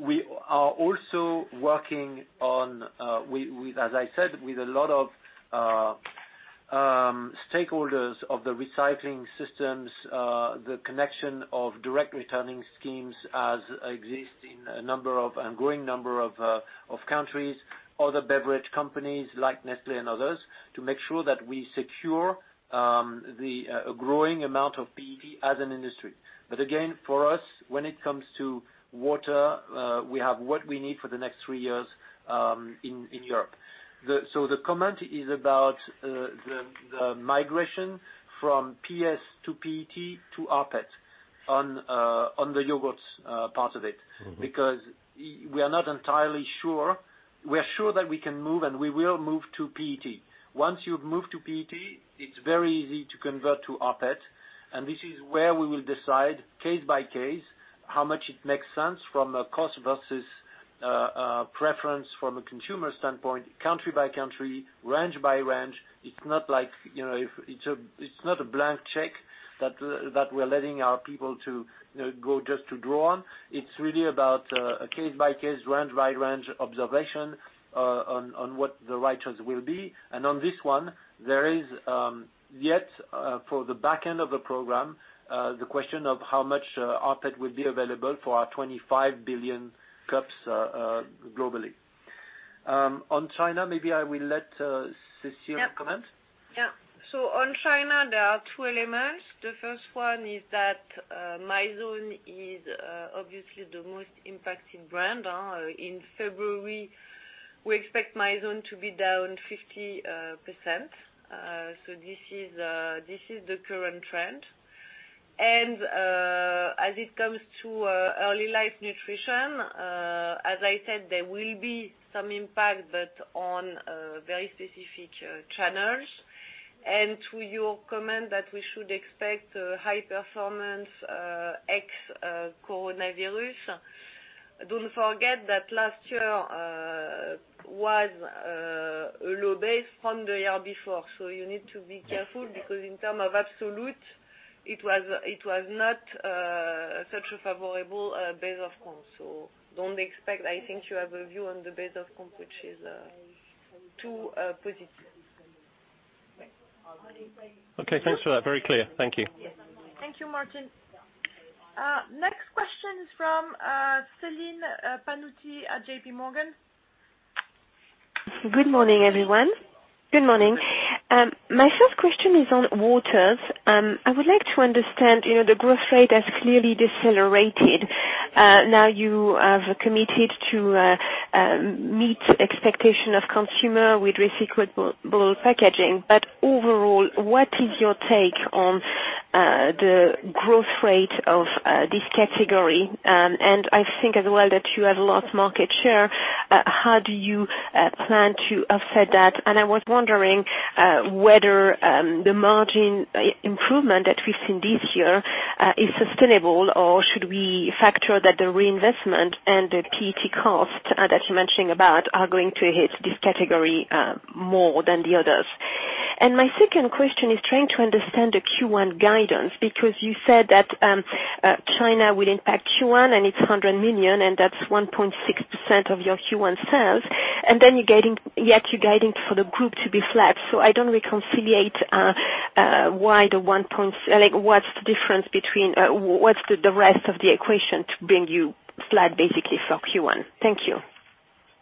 We are also working on, as I said, with a lot of stakeholders of the recycling systems, the connection of direct returning schemes as exist in a growing number of countries, other beverage companies like Nestlé and others, to make sure that we secure a growing amount of PET as an industry. Again, for us, when it comes to water, we have what we need for the next three years in Europe. The comment is about the migration from PS to PET to rPET on the Yogurts part of it. We are not entirely sure. We're sure that we can move, and we will move to PET. Once you've moved to PET, it's very easy to convert to rPET, and this is where we will decide case by case how much it makes sense from a cost versus preference from a consumer standpoint, country by country, range by range. It's not a blank check that we're letting our people to go just to draw on. It's really about a case-by-case, range-by-range observation on what the right choice will be. On this one, there is, yet for the back end of the program, the question of how much rPET will be available for our 25 billion cups globally. On China, maybe I will let Cécile comment. Yeah. On China, there are two elements. The first one is that Mizone is obviously the most impacted brand. In February, we expect Mizone to be down 50%. This is the current trend. As it comes to Early Life Nutrition, as I said, there will be some impact, but on very specific channels. To your comment that we should expect high performance ex-coronavirus, don't forget that last year was a low base from the year before. You need to be careful, because in term of absolute, it was not such a favorable base of comparable. I think you have a view on the base of comparable, which is too positive. Okay, thanks for that. Very clear. Thank you. Thank you, Martin. Next question is from Celine Pannuti at JPMorgan. Good morning, everyone. Good morning. My first question is on waters. I would like to understand, the growth rate has clearly decelerated. Now you have committed to meet expectation of consumer with recyclable packaging. Overall, what is your take on the growth rate of this category? I think as well that you have lost market share. How do you plan to offset that? I was wondering whether the margin improvement that we've seen this year is sustainable, or should we factor that the reinvestment and the PET cost that you're mentioning about are going to hit this category more than the others? My second question is trying to understand the Q1 guidance, because you said that China will impact Q1 and it's 100 million, and that's 1.6% of your Q1 sales, yet you're guiding for the group to be flat. I don't reconciliate, what's the rest of the equation to bring you flat basically for Q1? Thank you.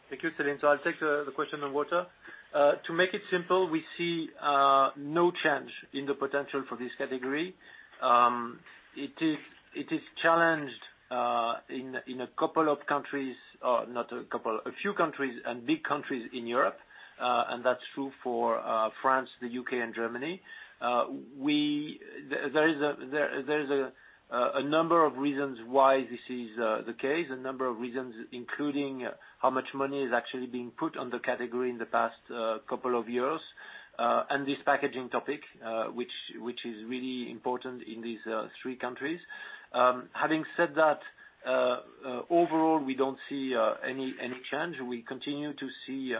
Thank you, Celine. I'll take the question on water. To make it simple, we see no change in the potential for this category. It is challenged in a few countries and big countries in Europe. That's true for France, the U.K., and Germany. There is a number of reasons why this is the case, a number of reasons, including how much money is actually being put on the category in the past couple of years. This packaging topic, which is really important in these three countries. Having said that, overall, we don't see any change. We continue to see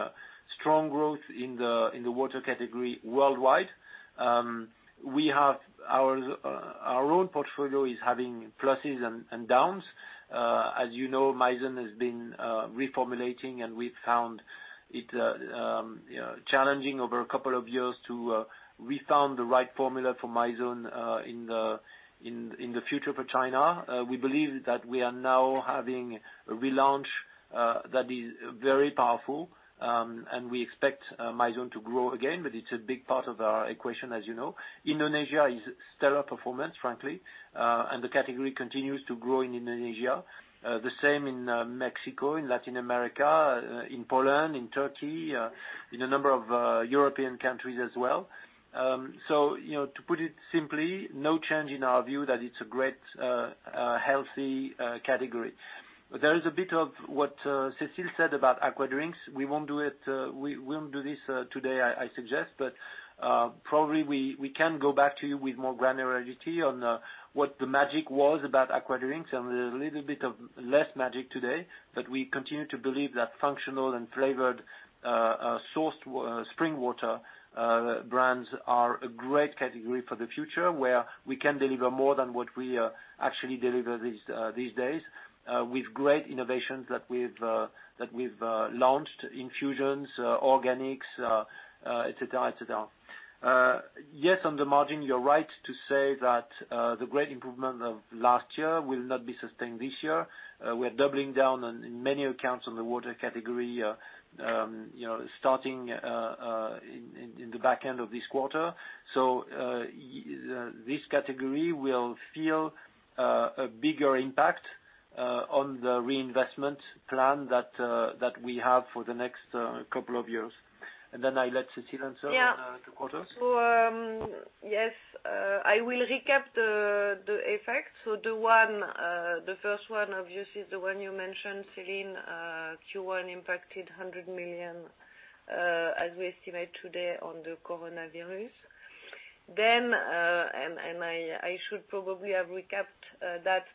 strong growth in the water category worldwide. Our own portfolio is having pluses and downs. As you know, Mizone has been reformulating, and we've found it challenging over a couple of years to re-found the right formula for Mizone in the future for China. We believe that we are now having a relaunch that is very powerful. We expect Mizone to grow again. It's a big part of our equation, as you know. Indonesia is a stellar performance, frankly. The category continues to grow in Indonesia. The same in Mexico, in Latin America, in Poland, in Turkey, in a number of European countries as well. To put it simply, no change in our view that it's a great, healthy category. There is a bit of what Cécile said about Aqua drinks. We won't do this today, I suggest. Probably we can go back to you with more granularity on what the magic was about Aqua drinks. A little bit of less magic today. We continue to believe that functional and flavored sourced spring water brands are a great category for the future, where we can deliver more than what we actually deliver these days, with great innovations that we've launched infusions, organics, et cetera. On the margin, you're right to say that the great improvement of last year will not be sustained this year. We're doubling down on many accounts on the water category starting in the back end of this quarter. This category will feel a bigger impact on the reinvestment plan that we have for the next couple of years. Then I let Cécile answer the quarters. Yes. I will recap the effects. The first one, obviously, is the one you mentioned, Celine, Q1 impacted 100 million, as we estimate today on the coronavirus. I should probably have recapped that,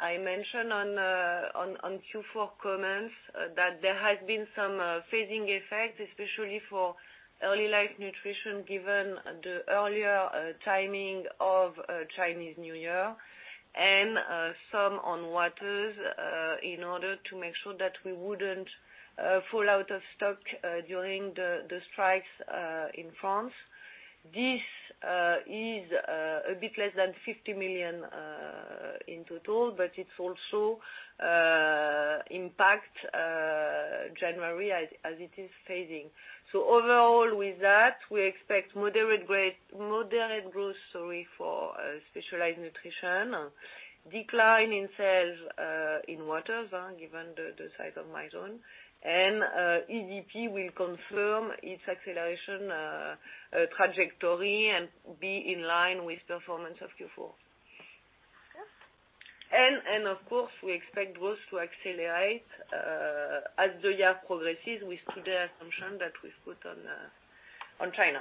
I mentioned on Q4 comments that there has been some phasing effects, especially for Early Life Nutrition, given the earlier timing of Chinese New Year, and some on waters, in order to make sure that we wouldn't fall out of stock during the strikes in France. This is a bit less than 50 million in total, it's also impact January as it is phasing. Overall, with that, we expect moderate growth for Specialized Nutrition, decline in sales in waters, given the size of Mizone, EDP will confirm its acceleration trajectory and be in line with performance of Q4. Yes. Of course, we expect growth to accelerate as the year progresses with today assumption that we've put on China.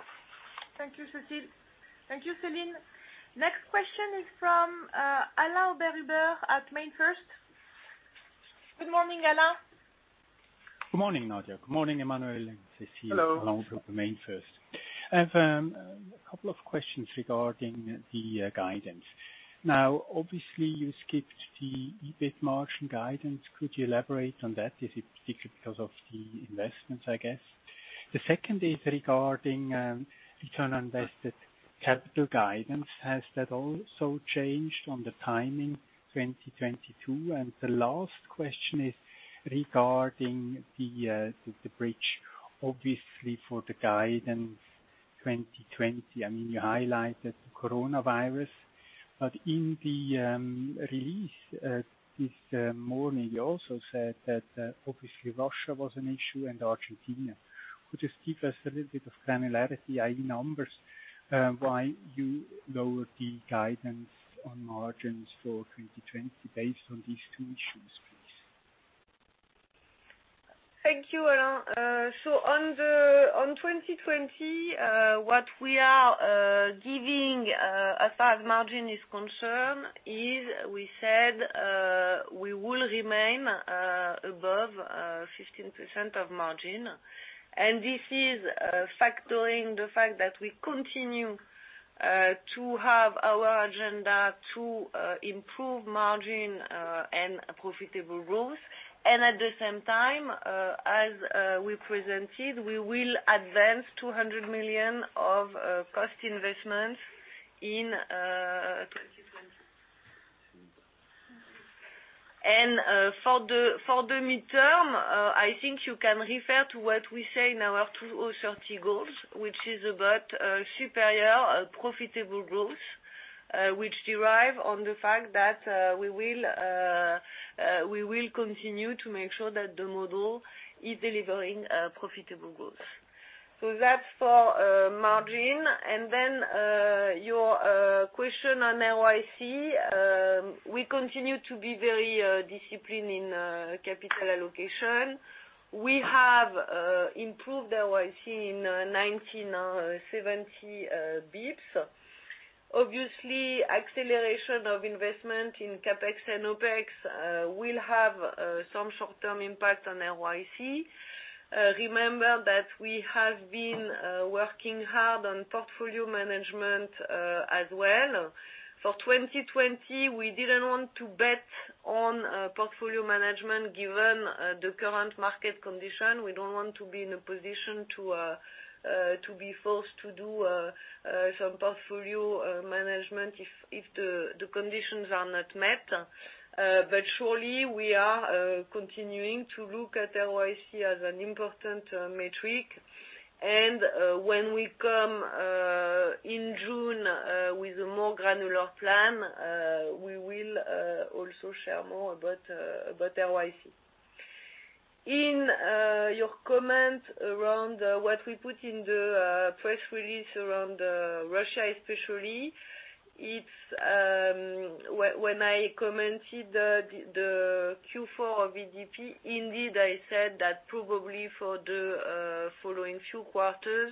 Thank you, Cécile. Thank you, Celine. Next question is from Alain Oberhuber at MainFirst. Good morning, Alain. Good morning, Nadia. Good morning, Emmanuel and Cécile. Hello. Alain Oberhuber, MainFirst. I have a couple of questions regarding the guidance. Obviously, you skipped the EBIT margin guidance. Could you elaborate on that? Is it particularly because of the investments, I guess? The second is regarding return on invested capital guidance. Has that also changed on the timing 2022? The last question is regarding the bridge, obviously, for the guidance 2020. You highlighted the coronavirus, but in the release this morning, you also said that obviously Russia was an issue and Argentina. Could you just give us a little bit of granularity, i.e., numbers, why you lowered the guidance on margins for 2020 based on these two issues, please? Thank you, Alain. On 2020, what we are giving as far as margin is concerned is we said we will remain above 15% of margin. This is factoring the fact that we continue to have our agenda to improve margin and profitable growth. At the same time, as we presented, we will advance 200 million of cost investments in 2020. For the midterm, I think you can refer to what we say in our 2030 goals, which is about superior profitable growth, which derive on the fact that we will continue to make sure that the model is delivering profitable growth. That's for margin, and then your question on ROIC. We continue to be very disciplined in capital allocation. We have improved ROIC in 1,970 basis points. Obviously, acceleration of investment in CapEx and OpEx will have some short-term impact on ROIC. Remember that we have been working hard on portfolio management as well. For 2020, we didn't want to bet on portfolio management, given the current market condition. We don't want to be in a position to be forced to do some portfolio management if the conditions are not met. Surely, we are continuing to look at ROIC as an important metric. When we come in June with a more granular plan, we will also share more about ROIC. In your comment around what we put in the press release around Russia especially, when I commented the Q4 of EDP, indeed, I said that probably for the following few quarters,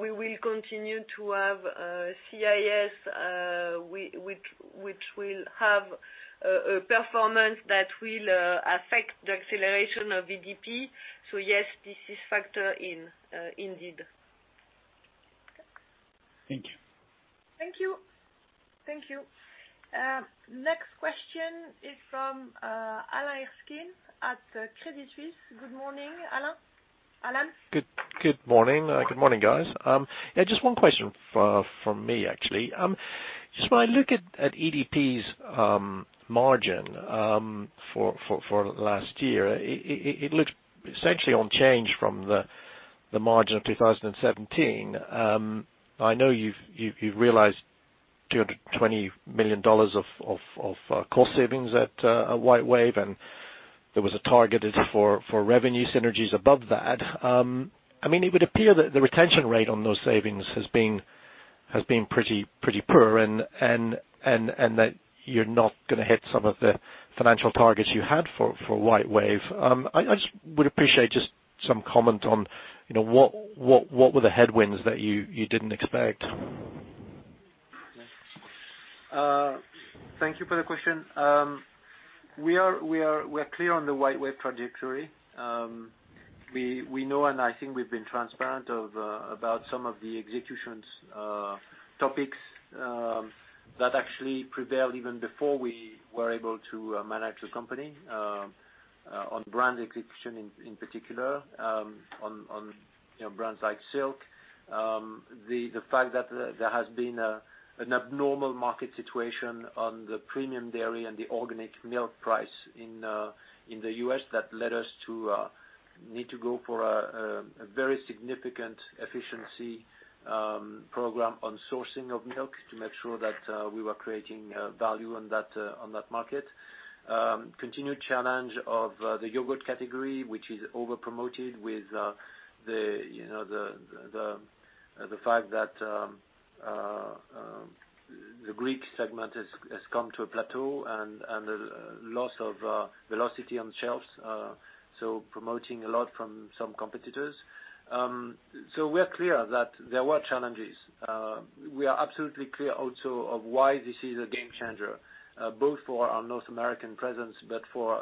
we will continue to have CIS, which will have a performance that will affect the acceleration of EDP. Yes, this is factor indeed. Thank you. Thank you. Next question is from Alan Erskine at Credit Suisse. Good morning, Alan. Alan? Good morning, guys. Yeah, just one question from me, actually. Just when I look at EDP's margin for last year, it looks essentially on change from the margin of 2017. I know you've realized EUR 220 million of cost savings at WhiteWave, and there was a target for revenue synergies above that. It would appear that the retention rate on those savings has been pretty poor, and that you're not going to hit some of the financial targets you had for WhiteWave. I just would appreciate just some comment on what were the headwinds that you didn't expect? Thank you for the question. We are clear on the WhiteWave trajectory. We know, and I think we've been transparent about some of the executions topics that actually prevailed even before we were able to manage the company, on brand execution in particular, on brands like Silk. The fact that there has been an abnormal market situation on the premium dairy and the organic milk price in the U.S. that led us to need to go for a very significant efficiency program on sourcing of milk to make sure that we were creating value on that market. Continued challenge of the yogurt category, which is over-promoted with the fact that the Greek segment has come to a plateau and a loss of velocity on shelves, so promoting a lot from some competitors. We are clear that there were challenges. We are absolutely clear also of why this is a game changer, both for our North American presence, but for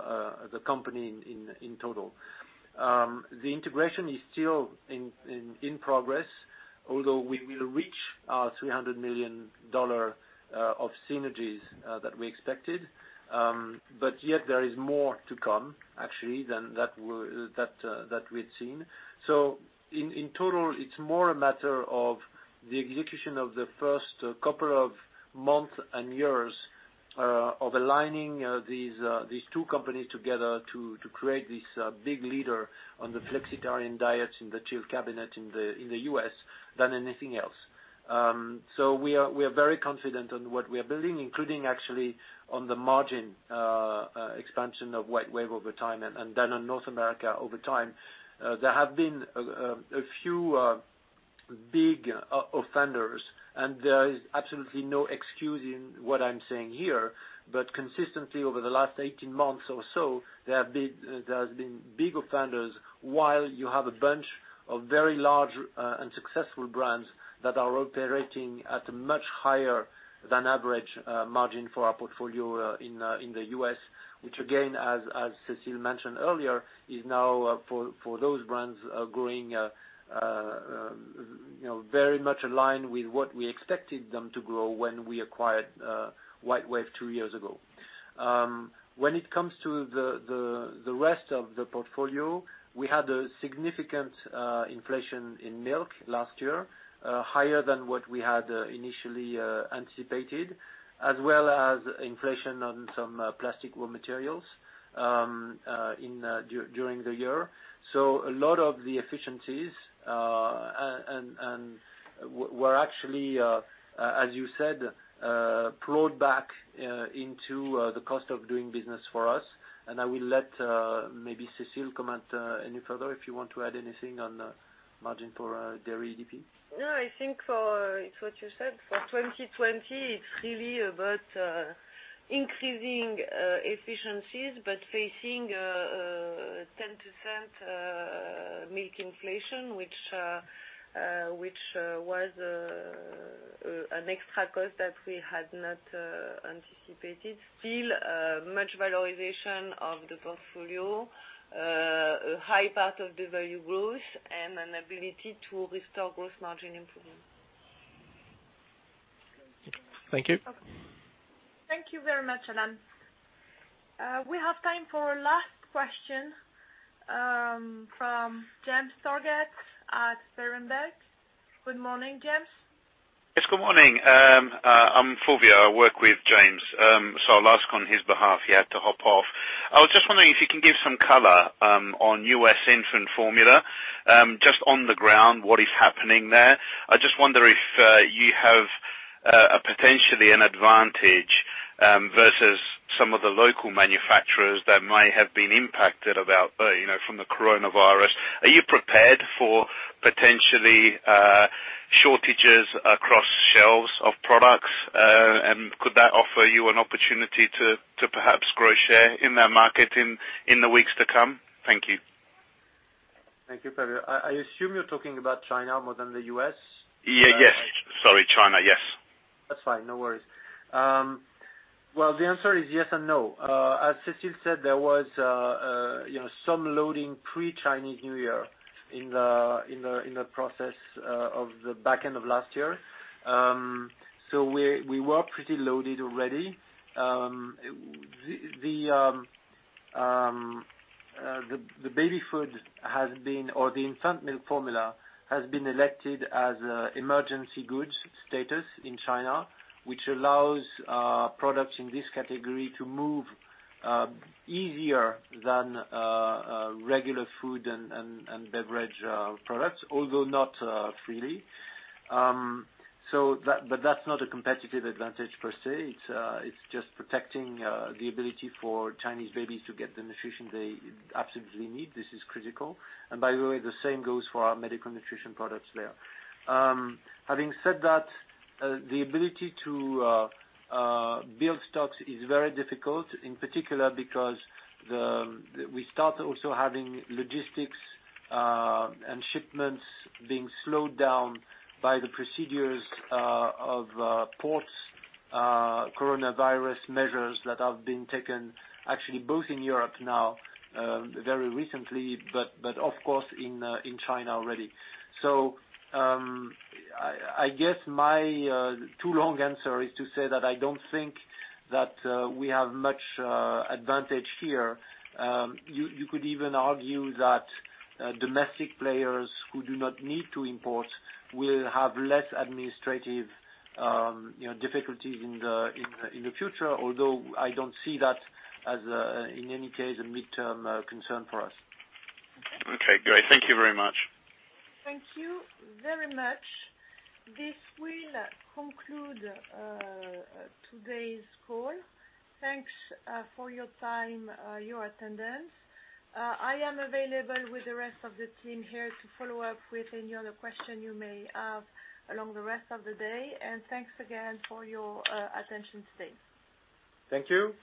the company in total. The integration still in progress although, we will reach our EUR 300 million of synergies that we expected, but yet there is more to come, actually, than that we had seen. In total, it's more a matter of the execution of the first couple of months and years of aligning these two companies together to create this big leader on the flexitarian diets in the chilled cabinet in the U.S. than anything else. We are very confident on what we are building, including, actually, on the margin expansion of WhiteWave over time, and then on North America over time. There have been a few big offenders, and there is absolutely no excuse in what I'm saying here, but consistently over the last 18 months or so, there has been big offenders while you have a bunch of very large and successful brands that are operating at a much higher than average margin for our portfolio in the U.S., which again, as Cécile mentioned earlier, is now, for those brands, growing very much in line with what we expected them to grow when we acquired WhiteWave 2 years ago. When it comes to the rest of the portfolio, we had a significant inflation in milk last year, higher than what we had initially anticipated, as well as inflation on some plastic raw materials during the year. A lot of the efficiencies were actually, as you said, plowed back into the cost of doing business for us. I will let maybe Cécile comment any further, if you want to add anything on margin for dairy EDP. No, I think it's what you said. For 2020, it's really about increasing efficiencies, but facing 10% milk inflation, which was an extra cost that we had not anticipated. Still, much valorization of the portfolio, a high part of the value growth, and an ability to restore growth margin improvement. Thank you. Thank you very much, Alan. We have time for a last question from James Target at Berenberg. Good morning, James. Yes, good morning. I'm Fulvio, I work with James, so I'll ask on his behalf. He had to hop off. I was just wondering if you can give some color on U.S. infant formula. Just on the ground, what is happening there? I just wonder if you have potentially an advantage versus some of the local manufacturers that might have been impacted from the coronavirus. Are you prepared for potentially shortages across shelves of products, and could that offer you an opportunity to perhaps grow share in that market in the weeks to come? Thank you. Thank you, Fulvio. I assume you're talking about China more than the U.S.? Yes. Sorry, China, yes. That's fine. No worries. Well, the answer is yes and no. As Cécile said, there was some loading pre-Chinese New Year in the process of the back end of last year. We were pretty loaded already. The baby food or the infant milk formula has been elected as emergency goods status in China, which allows products in this category to move easier than regular food and beverage products, although not freely. That's not a competitive advantage per se. It's just protecting the ability for Chinese babies to get the nutrition they absolutely need. This is critical. By the way, the same goes for our Medical Nutrition products there. Having said that, the ability to build stocks is very difficult, in particular because we start also having logistics and shipments being slowed down by the procedures of ports, coronavirus measures that have been taken, actually both in Europe now very recently, but of course in China already. I guess my too long answer is to say that I don't think that we have much advantage here. You could even argue that domestic players who do not need to import will have less administrative difficulties in the future, although I don't see that as, in any case, a midterm concern for us. Okay, great. Thank you very much. Thank you very much. This will conclude today's call. Thanks for your time, your attendance. I am available with the rest of the team here to follow up with any other question you may have along the rest of the day. Thanks again for your attention today. Thank you.